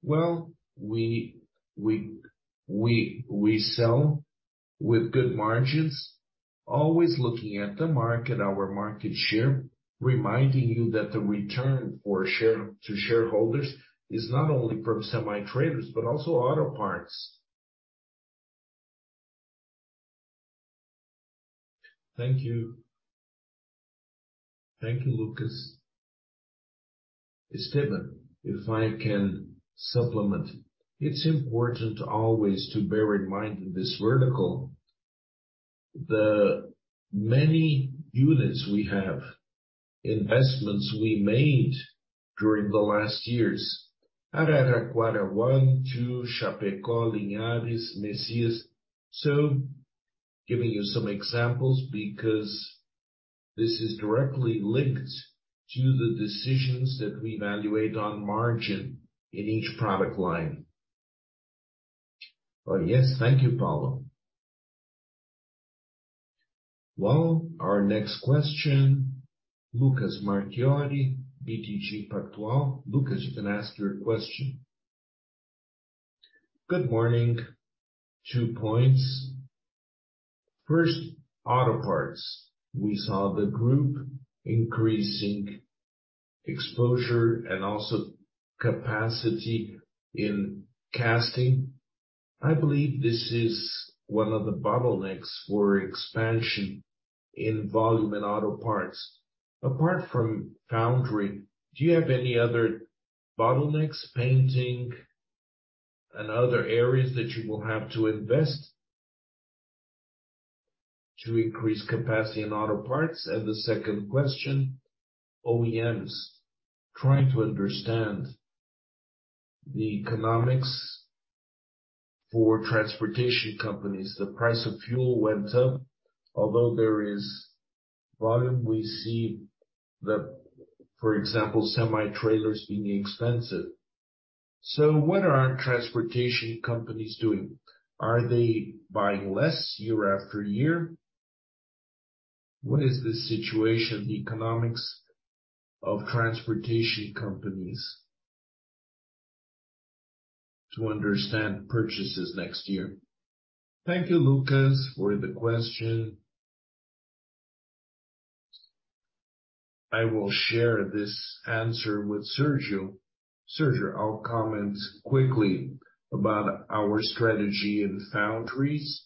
Well, we sell with good margins, always looking at the market, our market share, reminding you that the return for shareholders is not only from semi-trailers, but also auto parts. Thank you. Thank you, Lucas. Esteban, if I can supplement. It's important always to bear in mind in this vertical the many units we have, investments we made during the last years. Araraquara 1, 2, Chapecó, Linhares, Messias. Giving you some examples because this is directly linked to the decisions that we evaluate on margin in each product line. Oh, yes. Thank you, Paulo. Well, our next question, Lucas Marquiori, BTG Pactual. Lucas, you can ask your question. Good morning. Two points. First, auto parts. We saw the group increasing exposure and also capacity in casting. I believe this is one of the bottlenecks for expansion in volume and auto parts. Apart from foundry, do you have any other bottlenecks, painting, and other areas that you will have to invest to increase capacity in auto parts? And the second question, OEMs. Trying to understand the economics for transportation companies. The price of fuel went up, although there is volume, we see, for example, semi-trailers being expensive. What are transportation companies doing? Are they buying less year after year? What is the situation, the economics of transportation companies to understand purchases next year? Thank you, Lucas, for the question. I will share this answer with Sergio. Sergio, I'll comment quickly about our strategy in foundries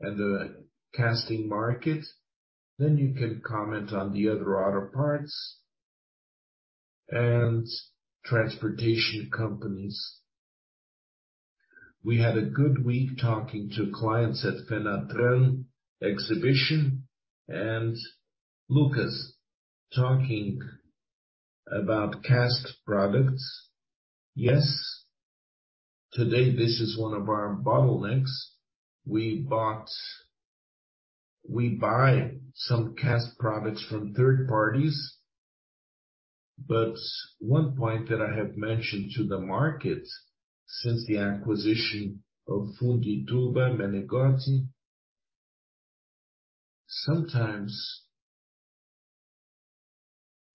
and the casting market. You can comment on the other auto parts and transportation companies. We had a good week talking to clients at Fenatran Exhibition. Lucas, talking about cast products. Yes, today this is one of our bottlenecks. We buy some cast products from third parties. One point that I have mentioned to the market since the acquisition of Fundituba, Menegotti,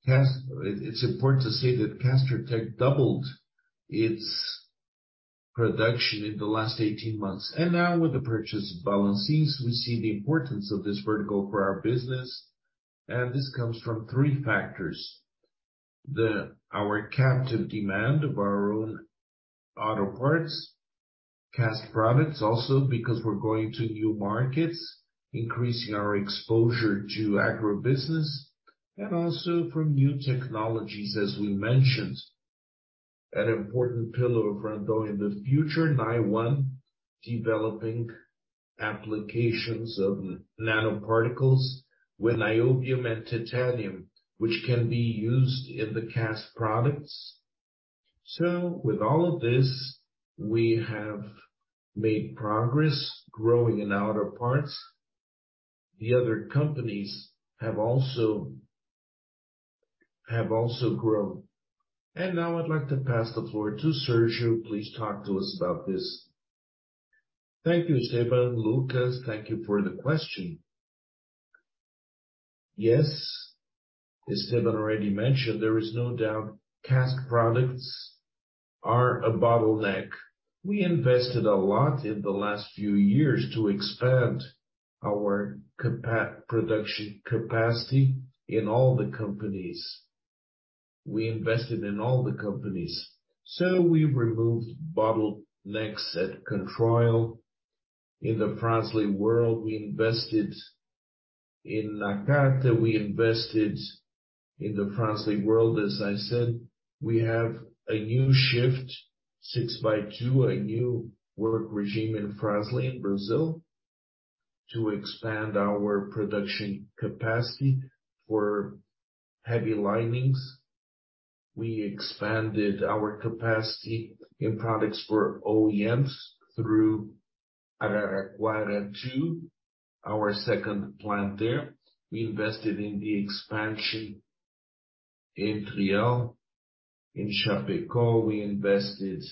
it's important to say that Castertech doubled its production in the last 18 months. Now with the purchase of Balancins, we see the importance of this vertical for our business, and this comes from three factors. Our captive demand of our own auto parts, cast products also because we're going to new markets, increasing our exposure to agribusiness and also from new technologies, as we mentioned. An important pillar of Randon in the future, NIONE, developing applications of nanoparticles with niobium and titanium, which can be used in the cast products. With all of this, we have made progress growing in auto parts. The other companies have also grown. Now I'd like to pass the floor to Sérgio. Please talk to us about this. Thank you, Esteban. Lucas, thank you for the question. Yes. As Esteban already mentioned, there is no doubt cast products are a bottleneck. We invested a lot in the last few years to expand our production capacity in all the companies. We invested in all the companies. We've removed bottlenecks at Controil. In the Fras-le world, we invested in Nakata, we invested in the Fras-le world. As I said, we have a new shift, 6 by 2, a new work regime in Fras-le in Brazil to expand our production capacity for heavy linings. We expanded our capacity in products for OEMs through Araraquara 2, our second plant there. We invested in the expansion in Triel. In Chapecó, we invested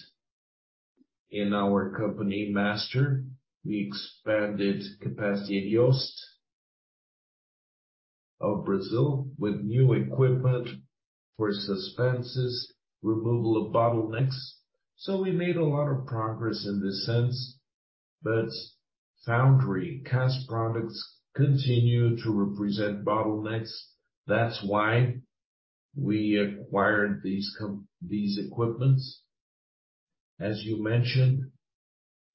in our company, Master. We expanded capacity at JOST Brasil with new equipment for suspensions, removal of bottlenecks. We made a lot of progress in this sense, but foundry cast products continue to represent bottlenecks. That's why we acquired these equipments. As you mentioned,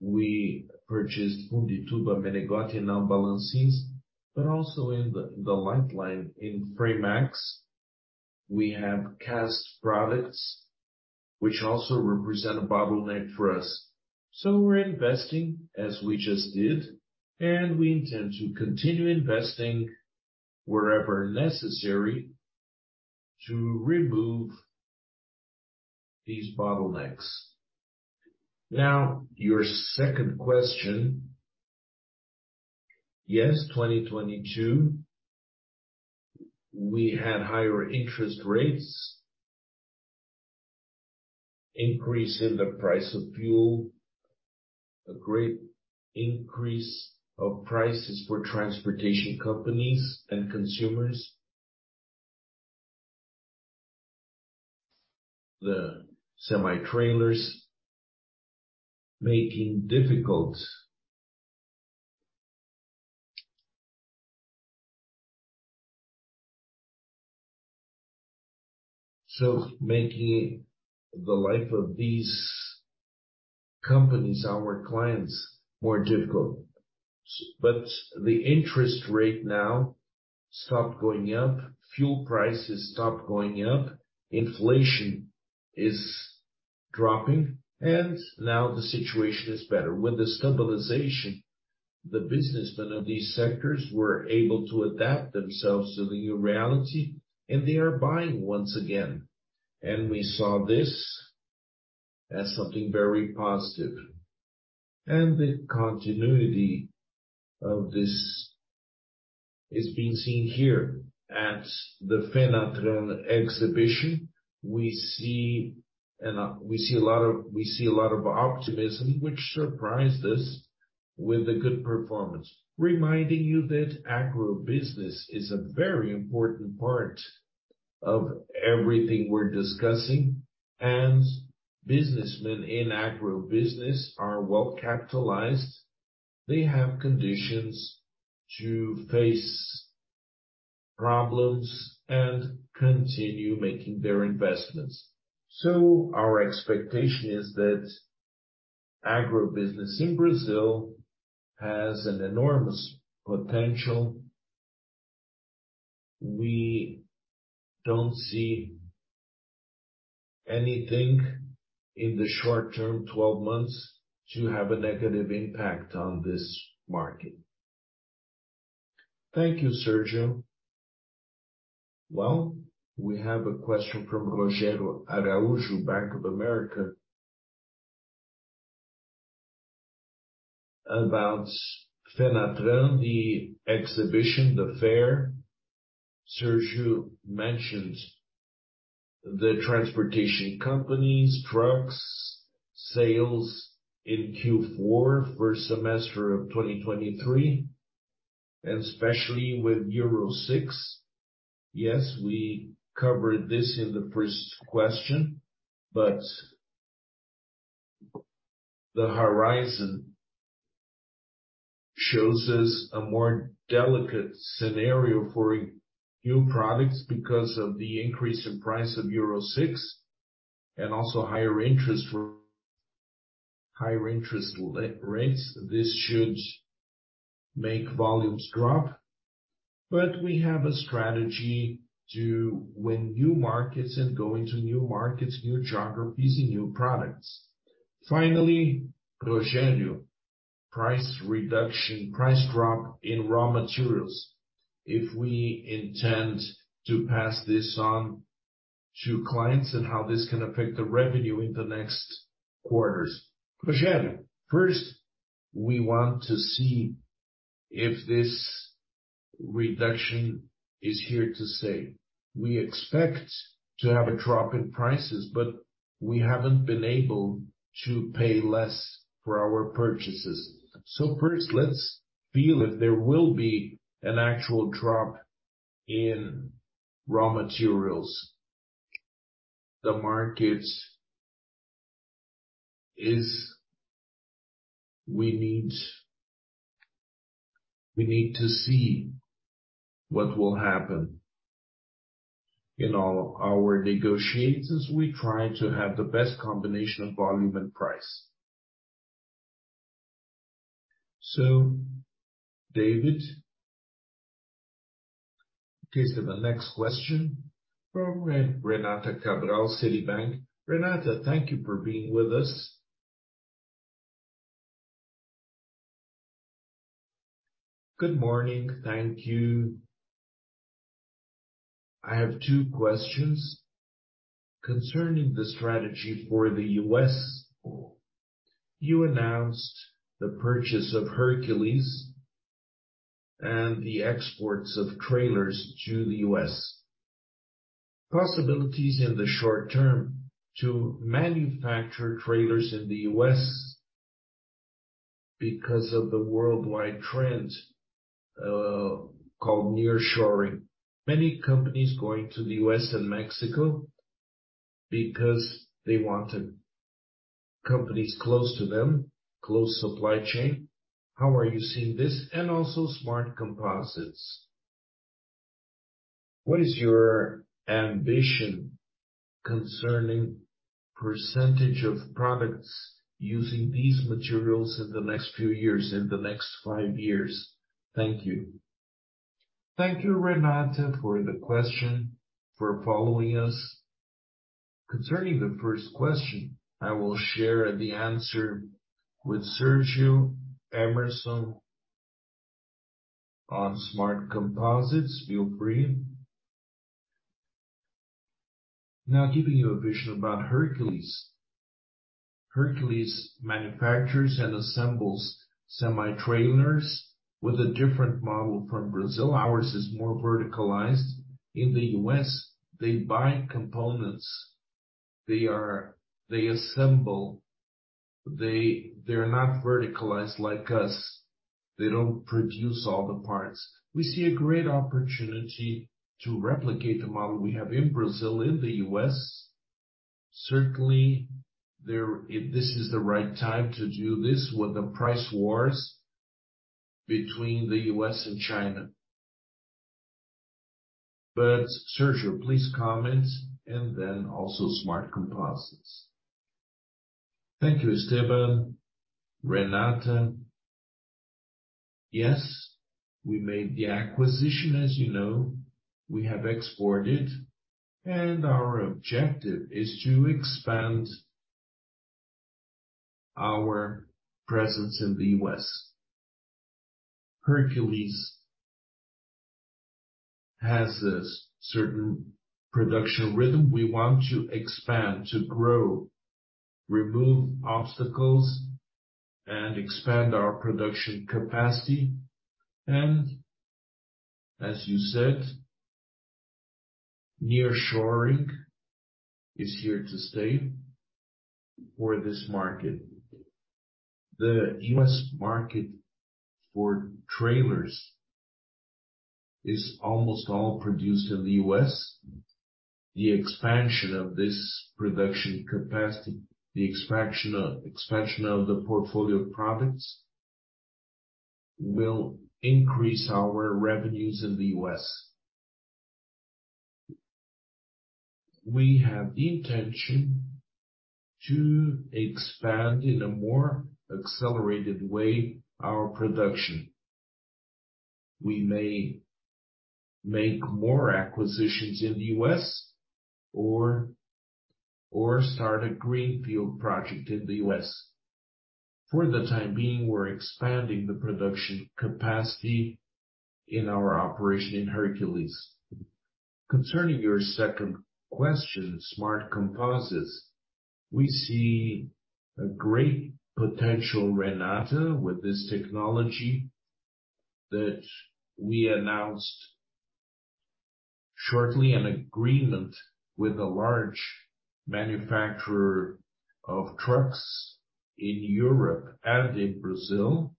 we purchased Fundituba, Menegotti, now Balancins, but also in the light line. In Fremax, we have cast products which also represent a bottleneck for us. We're investing as we just did, and we intend to continue investing wherever necessary to remove these bottlenecks. Now, your second question. Yes, 2022, we had higher interest rates, increase in the price of fuel, a great increase of prices for transportation companies and consumers. Making the life of these companies, our clients, more difficult. The interest rate now stopped going up, fuel prices stopped going up, inflation is dropping, and now the situation is better. With the stabilization, the businessmen of these sectors were able to adapt themselves to the new reality, and they are buying once again. We saw this as something very positive. The continuity of this is being seen here at the Fenatran exhibition. We see a lot of optimism, which surprised us with a good performance. Reminding you that agribusiness is a very important part of everything we're discussing, and businessmen in agribusiness are well-capitalized. They have conditions to face problems and continue making their investments. Our expectation is that agribusiness in Brazil has an enormous potential. We don't see anything in the short-term, 12 months, to have a negative impact on this market. Thank you, Sérgio. Well, we have a question from Rogério Araújo, Bank of America, about Fenatran, the exhibition, the fair Sérgio mentioned. The transportation companies, trucks, sales in Q4 first semester of 2023, especially with Euro 6. Yes, we covered this in the first question, but the horizon shows us a more delicate scenario for new products because of the increase in price of Euro 6 and also higher interest rates. This should make volumes drop. We have a strategy to win new markets and go into new markets, new geographies, and new products. Finally, Rogério, price reduction, price drop in raw materials. If we intend to pass this on to clients and how this can affect the revenue in the next quarters. Rogério, first, we want to see if this reduction is here to stay. We expect to have a drop in prices, but we haven't been able to pay less for our purchases. First, let's feel if there will be an actual drop in raw materials. The market is we need to see what will happen. In all our negotiations, we try to have the best combination of volume and price. David, please to the next question from Renata Cabral, Citibank. Renata, thank you for being with us. Good morning. Thank you. I have two questions. Concerning the strategy for the U.S., you announced the purchase of Hercules and the exports of trailers to the U.S. Possibilities in the short term to manufacture trailers in the U.S. because of the worldwide trend called nearshoring. Many companies going to the U.S. and Mexico because they want companies close to them, close supply chain. How are you seeing this? And also Smart Composites. What is your ambition concerning percentage of products using these materials in the next few years, in the next five years? Thank you. Thank you, Renata, for the question, for following us. Concerning the first question, I will share the answer with Sérgio, Emerson on Smart Composites. Feel free. Now, giving you a vision about Hercules. Hercules manufactures and assembles semi-trailers with a different model from Brazil. Ours is more verticalized. In the U.S., they buy components. They assemble. They're not verticalized like us. They don't produce all the parts. We see a great opportunity to replicate the model we have in Brazil, in the U.S. Certainly, this is the right time to do this with the price wars between the U.S. and China. But Sérgio, please comment, and then also Smart Composites. Thank you, Esteban, Renata. Yes, we made the acquisition, as you know. We have exported, and our objective is to expand our presence in the U.S. Hercules has this certain production rhythm. We want to expand, to grow, remove obstacles, and expand our production capacity. As you said, nearshoring is here to stay for this market. The U.S. market for trailers is almost all produced in the U.S. The expansion of this production capacity, the expansion of the portfolio of products will increase our revenues in the U.S. We have the intention to expand in a more accelerated way our production. We may make more acquisitions in the U.S. or start a greenfield project in the U.S. For the time being, we're expanding the production capacity in our operation in Hercules. Concerning your second question, Smart Composites. We see a great potential, Renata, with this technology that we announced shortly an agreement with a large manufacturer of trucks in Europe and in Brazil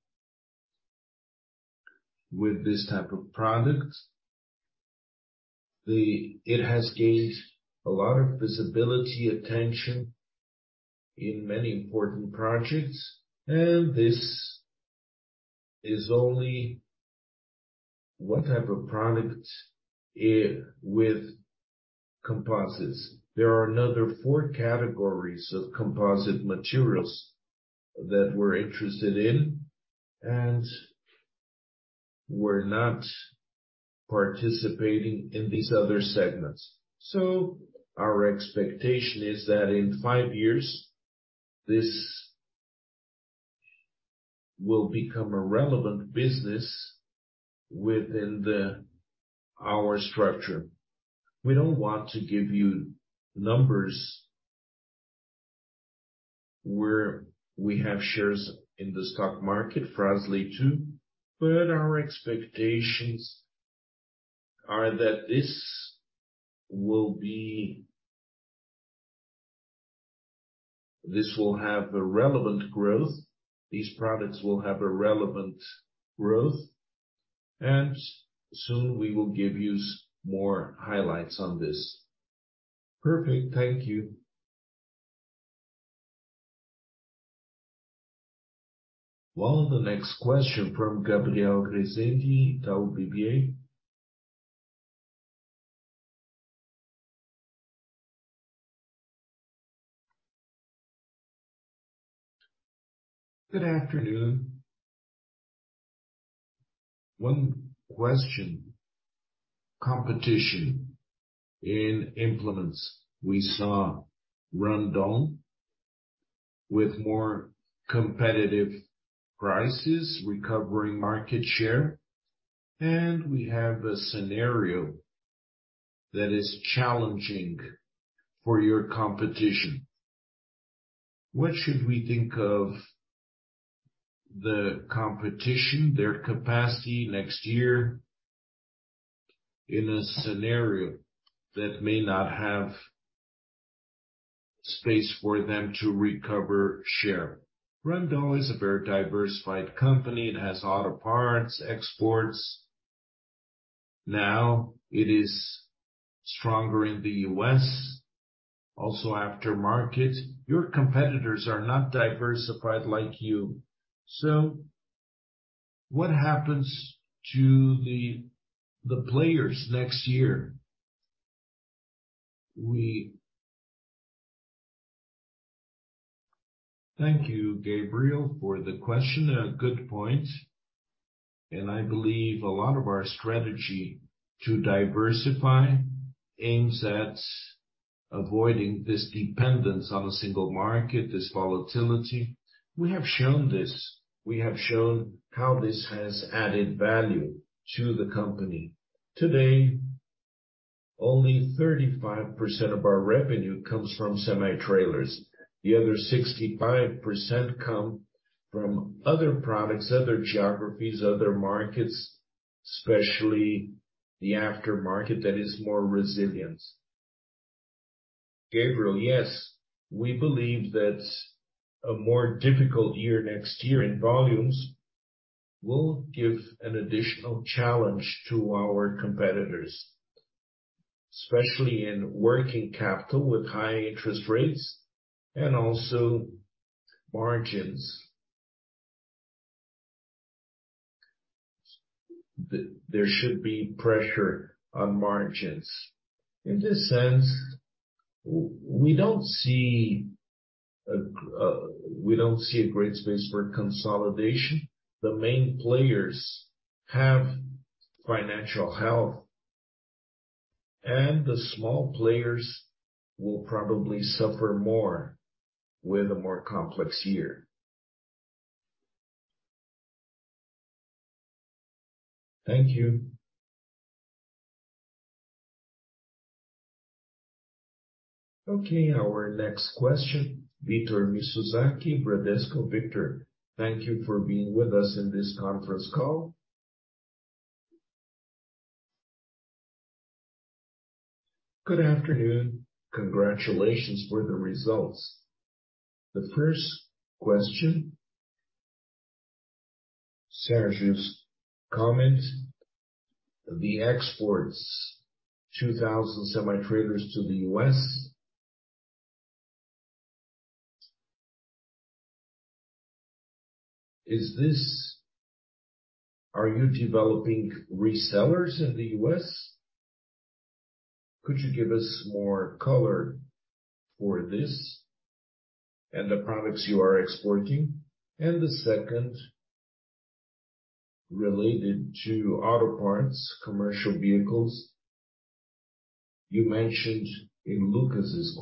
with this type of product. It has gained a lot of visibility, attention in many important projects, and this is only one type of product with composites. There are another four categories of composite materials that we're interested in, and we're not participating in these other segments. Our expectation is that in five years, this will become a relevant business within our structure. We don't want to give you numbers where we have shares in the stock market, Fras-le too, but our expectations are that this will have a relevant growth. These products will have a relevant growth, and soon we will give you some more highlights on this. Perfect. Thank you. Well, the next question from Gabriel Grezzetti, Itaú BBA. Good afternoon. One question. Competition in implements. We saw Randon with more competitive prices, recovering market share, and we have a scenario that is challenging for your competition. What should we think of the competition, their capacity next year in a scenario that may not have space for them to recover share? Randon is a very diversified company. It has auto parts, exports. Now it is stronger in the U.S., also aftermarket. Your competitors are not diversified like you. So what happens to the players next year? Thank you, Gabriel, for the question. A good point. I believe a lot of our strategy to diversify aims at avoiding this dependence on a single market, this volatility. We have shown this. We have shown how this has added value to the company. Today, only 35% of our revenue comes from semi-trailers. The other 65% come from other products, other geographies, other markets, especially the aftermarket that is more resilient. Gabriel, yes, we believe that a more difficult year next year in volumes will give an additional challenge to our competitors, especially in working capital with high interest rates and also margins. There should be pressure on margins. In this sense, we don't see a great space for consolidation. The main players have financial health, and the small players will probably suffer more with a more complex year. Thank you. Okay, our next question, Victor Mizusaki, Bradesco. Victor, thank you for being with us in this conference call. Good afternoon. Congratulations for the results. The first question, Sérgio's comment, the exports, 2,000 semi-trailers to the US. Are you developing resellers in the US? Could you give us more color for this and the products you are exporting? And the second, related to auto parts, commercial vehicles. You mentioned in Lucas'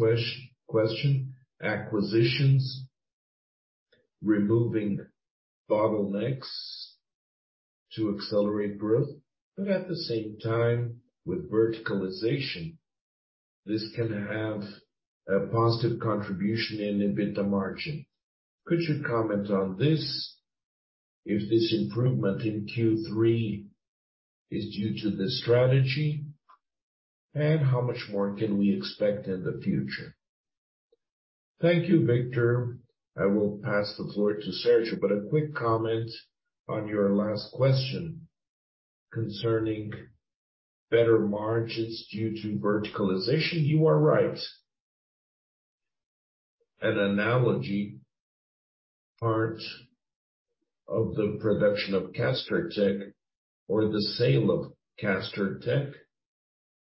question, acquisitions, removing bottlenecks to accelerate growth, but at the same time, with verticalization. This can have a positive contribution in EBITDA margin. Could you comment on this, if this improvement in Q3 is due to the strategy, and how much more can we expect in the future? Thank you, Victor. I will pass the floor to Sérgio, but a quick comment on your last question concerning better margins due to verticalization. You are right. An analogy, part of the production of Castertech or the sale of Castertech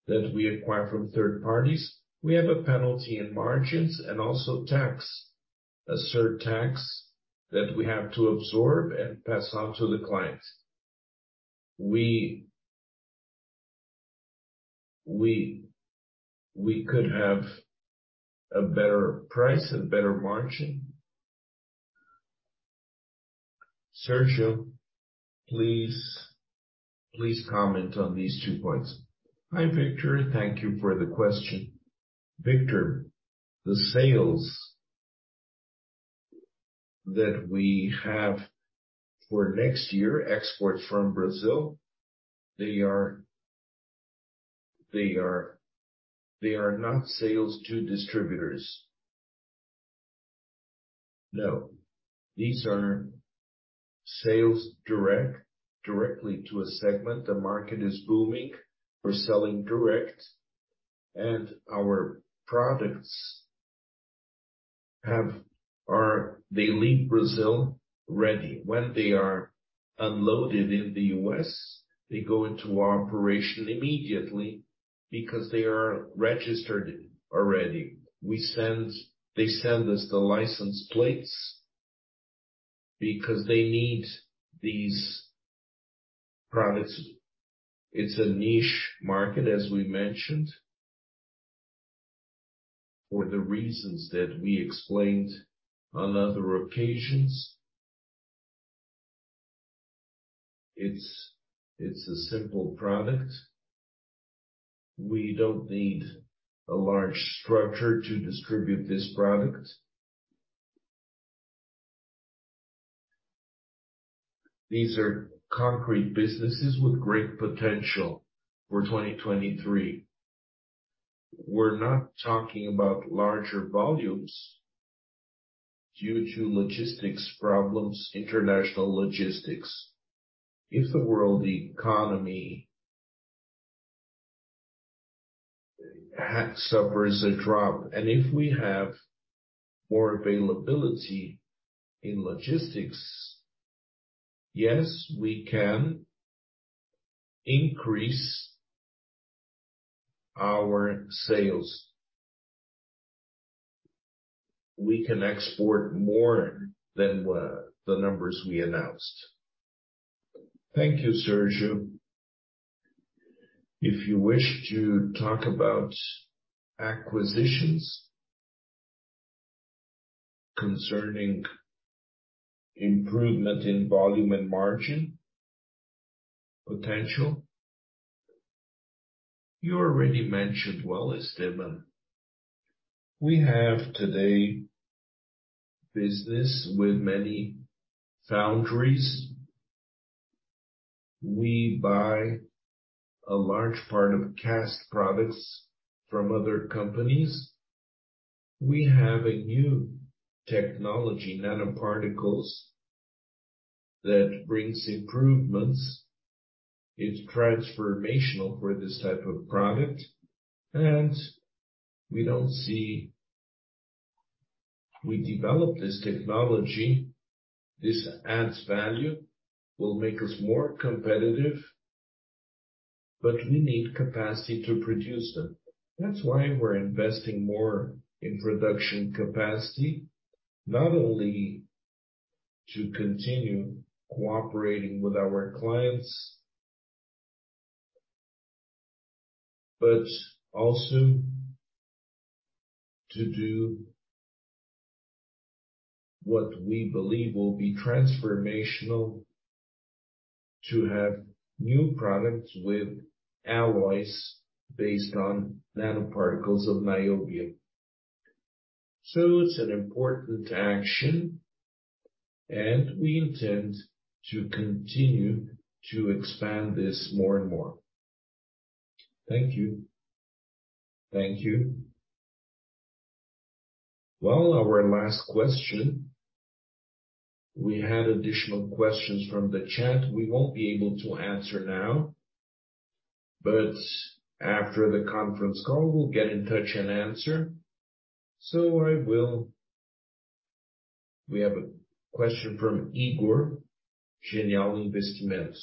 that we acquire from third parties, we have a penalty in margins and also tax, a surtax that we have to absorb and pass on to the clients. We could have a better price, a better margin. Sérgio, please comment on these two points. Hi, Victor. Thank you for the question. Victor, the sales that we have for next year, export from Brazil, they are not sales to distributors. No. These are direct sales, directly to a segment. The market is booming. We're selling direct and our products, they leave Brazil ready. When they are unloaded in the U.S., they go into operation immediately because they are registered already. They send us the license plates because they need these products. It's a niche market, as we mentioned for the reasons that we explained on other occasions. It's a simple product. We don't need a large structure to distribute this product. These are concrete businesses with great potential for 2023. We're not talking about larger volumes due to logistics problems, international logistics. If the world economy suffers a drop, and if we have more availability in logistics, yes, we can increase our sales. We can export more than the numbers we announced. Thank you, Sérgio. If you wish to talk about acquisitions concerning improvement in volume and margin potential. You already mentioned well, Esteban. We have today business with many foundries. We buy a large part of cast products from other companies. We have a new technology, nanoparticles, that brings improvements. It's transformational for this type of product, and we don't see. We develop this technology. This adds value, will make us more competitive, but we need capacity to produce them. That's why we're investing more in production capacity, not only to continue cooperating with our clients, but also to do what we believe will be transformational, to have new products with alloys based on nanoparticles of niobium. So it's an important action, and we intend to continue to expand this more and more. Thank you. Thank you. Well, our last question. We had additional questions from the chat we won't be able to answer now, but after the conference call, we'll get in touch and answer. We have a question from Igor, Genial Investimentos.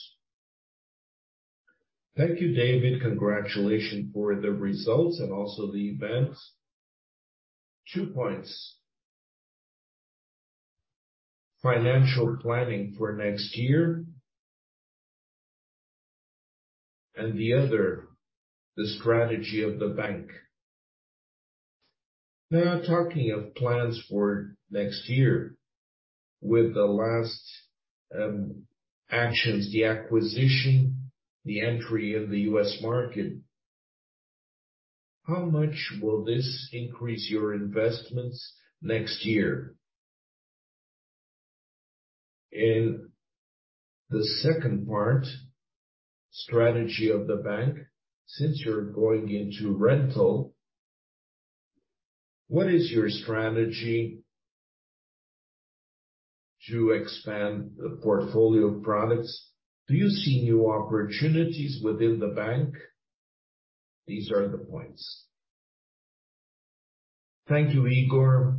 Thank you, David. Congratulations for the results and also the events. Two points. Financial planning for next year and the other, the strategy of the bank. Now talking of plans for next year with the last actions, the acquisition, the entry in the U.S. market, how much will this increase your investments next year? And the second part, strategy of the bank. Since you're going into rental, what is your strategy to expand the portfolio of products? Do you see new opportunities within the bank? These are the points. Thank you, Igor.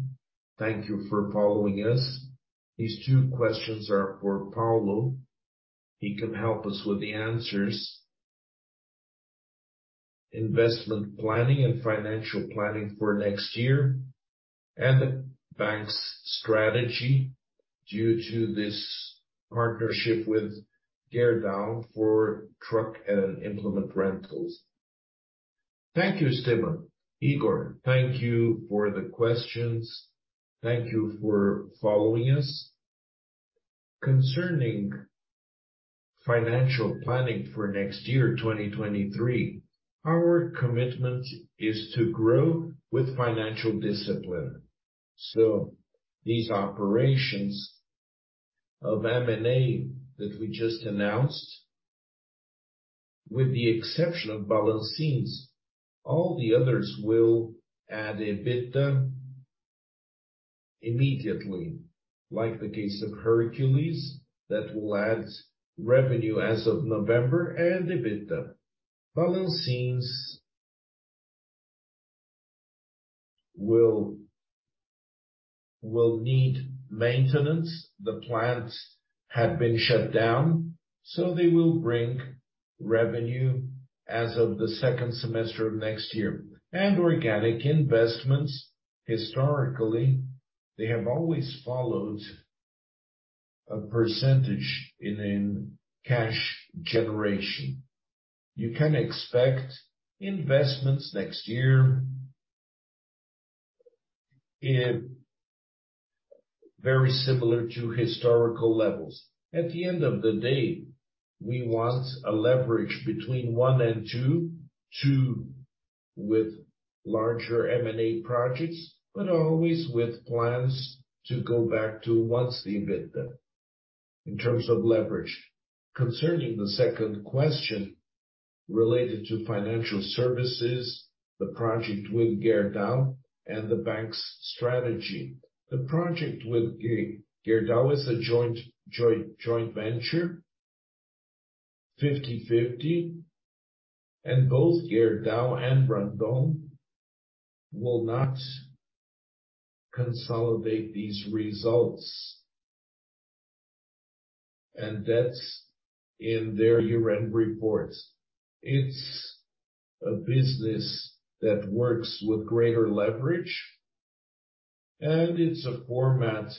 Thank you for following us. These two questions are for Paulo. He can help us with the answers. Investment planning and financial planning for next year and the bank's strategy due to this partnership with Gerdau for truck and implement rentals. Thank you, Esteban. Igor, thank you for the questions. Thank you for following us. Concerning financial planning for next year, 2023, our commitment is to grow with financial discipline. These operations of M&A that we just announced, with the exception of Balancins, all the others will add EBITDA immediately, like the case of Hercules, that will add revenue as of November and EBITDA. Balancins will need maintenance. The plants have been shut down, so they will bring revenue as of the second semester of next year. Organic investments, historically, they have always followed a percentage in cash generation. You can expect investments next year in very similar to historical levels. At the end of the day, we want a leverage between 1 and 2 with larger M&A projects, but always with plans to go back to 1x the EBITDA in terms of leverage. Concerning the second question related to financial services, the project with Gerdau and the bank's strategy. The project with Gerdau is a joint venture, 50/50, and both Gerdau and Randon Companies will not consolidate these results and debts in their year-end report. It's a business that works with greater leverage, and it's a format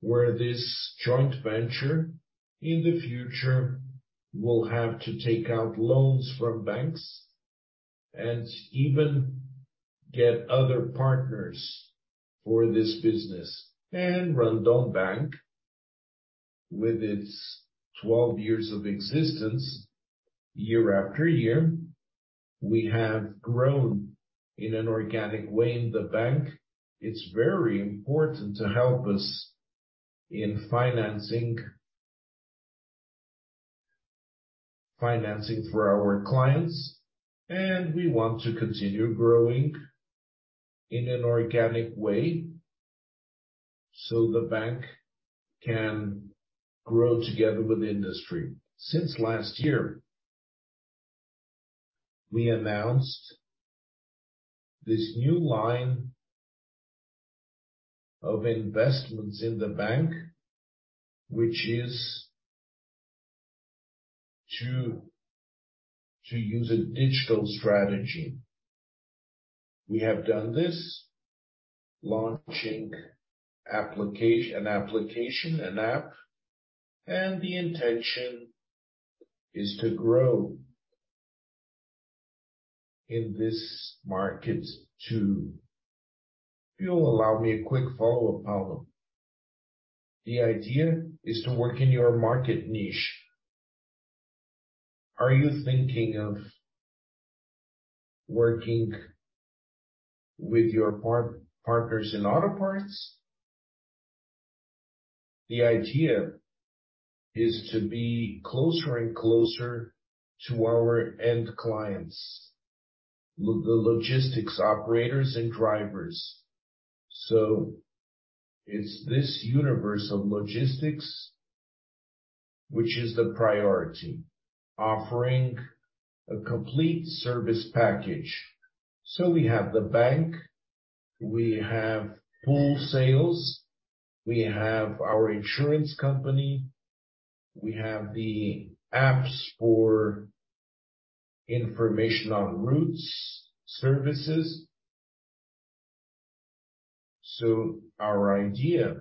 where this joint venture in the future will have to take out loans from banks and even get other partners for this business. Banco Randon, with its 12 years of existence, year after year, we have grown in an organic way in the bank. It's very important to help us in financing for our clients, and we want to continue growing in an organic way so the bank can grow together with industry. Since last year, we announced this new line of investments in the bank, which is to use a digital strategy. We have done this, launching an application, an app, and the intention is to grow in this market too. If you'll allow me a quick follow-up, Paulo. The idea is to work in your market niche. Are you thinking of working with your partners in auto parts? The idea is to be closer and closer to our end clients, the logistics operators and drivers. It's this universe of logistics which is the priority, offering a complete service package. We have the bank, we have pool sales, we have our insurance company, we have the apps for information on routes, services. Our idea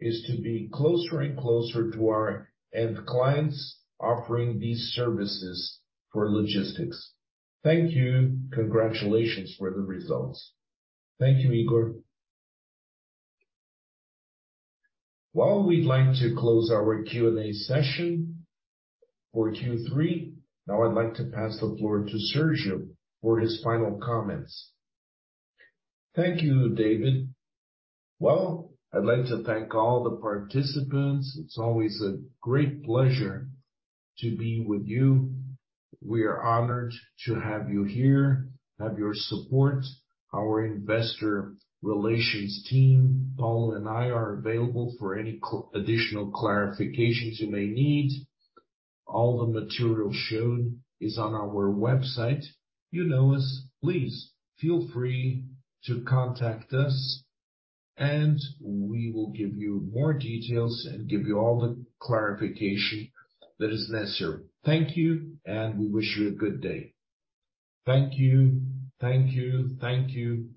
is to be closer and closer to our end clients offering these services for logistics. Thank you. Congratulations for the results. Thank you, Igor. Well, we'd like to close our Q&A session for Q3. Now I'd like to pass the floor to Sérgio for his final comments. Thank you, Davi. Well, I'd like to thank all the participants. It's always a great pleasure to be with you. We are honored to have you here, have your support. Our investor relations team, Paulo and I, are available for any additional clarifications you may need. All the material shown is on our website. You know us. Please feel free to contact us, and we will give you more details and give you all the clarification that is necessary. Thank you, and we wish you a good day. Thank you.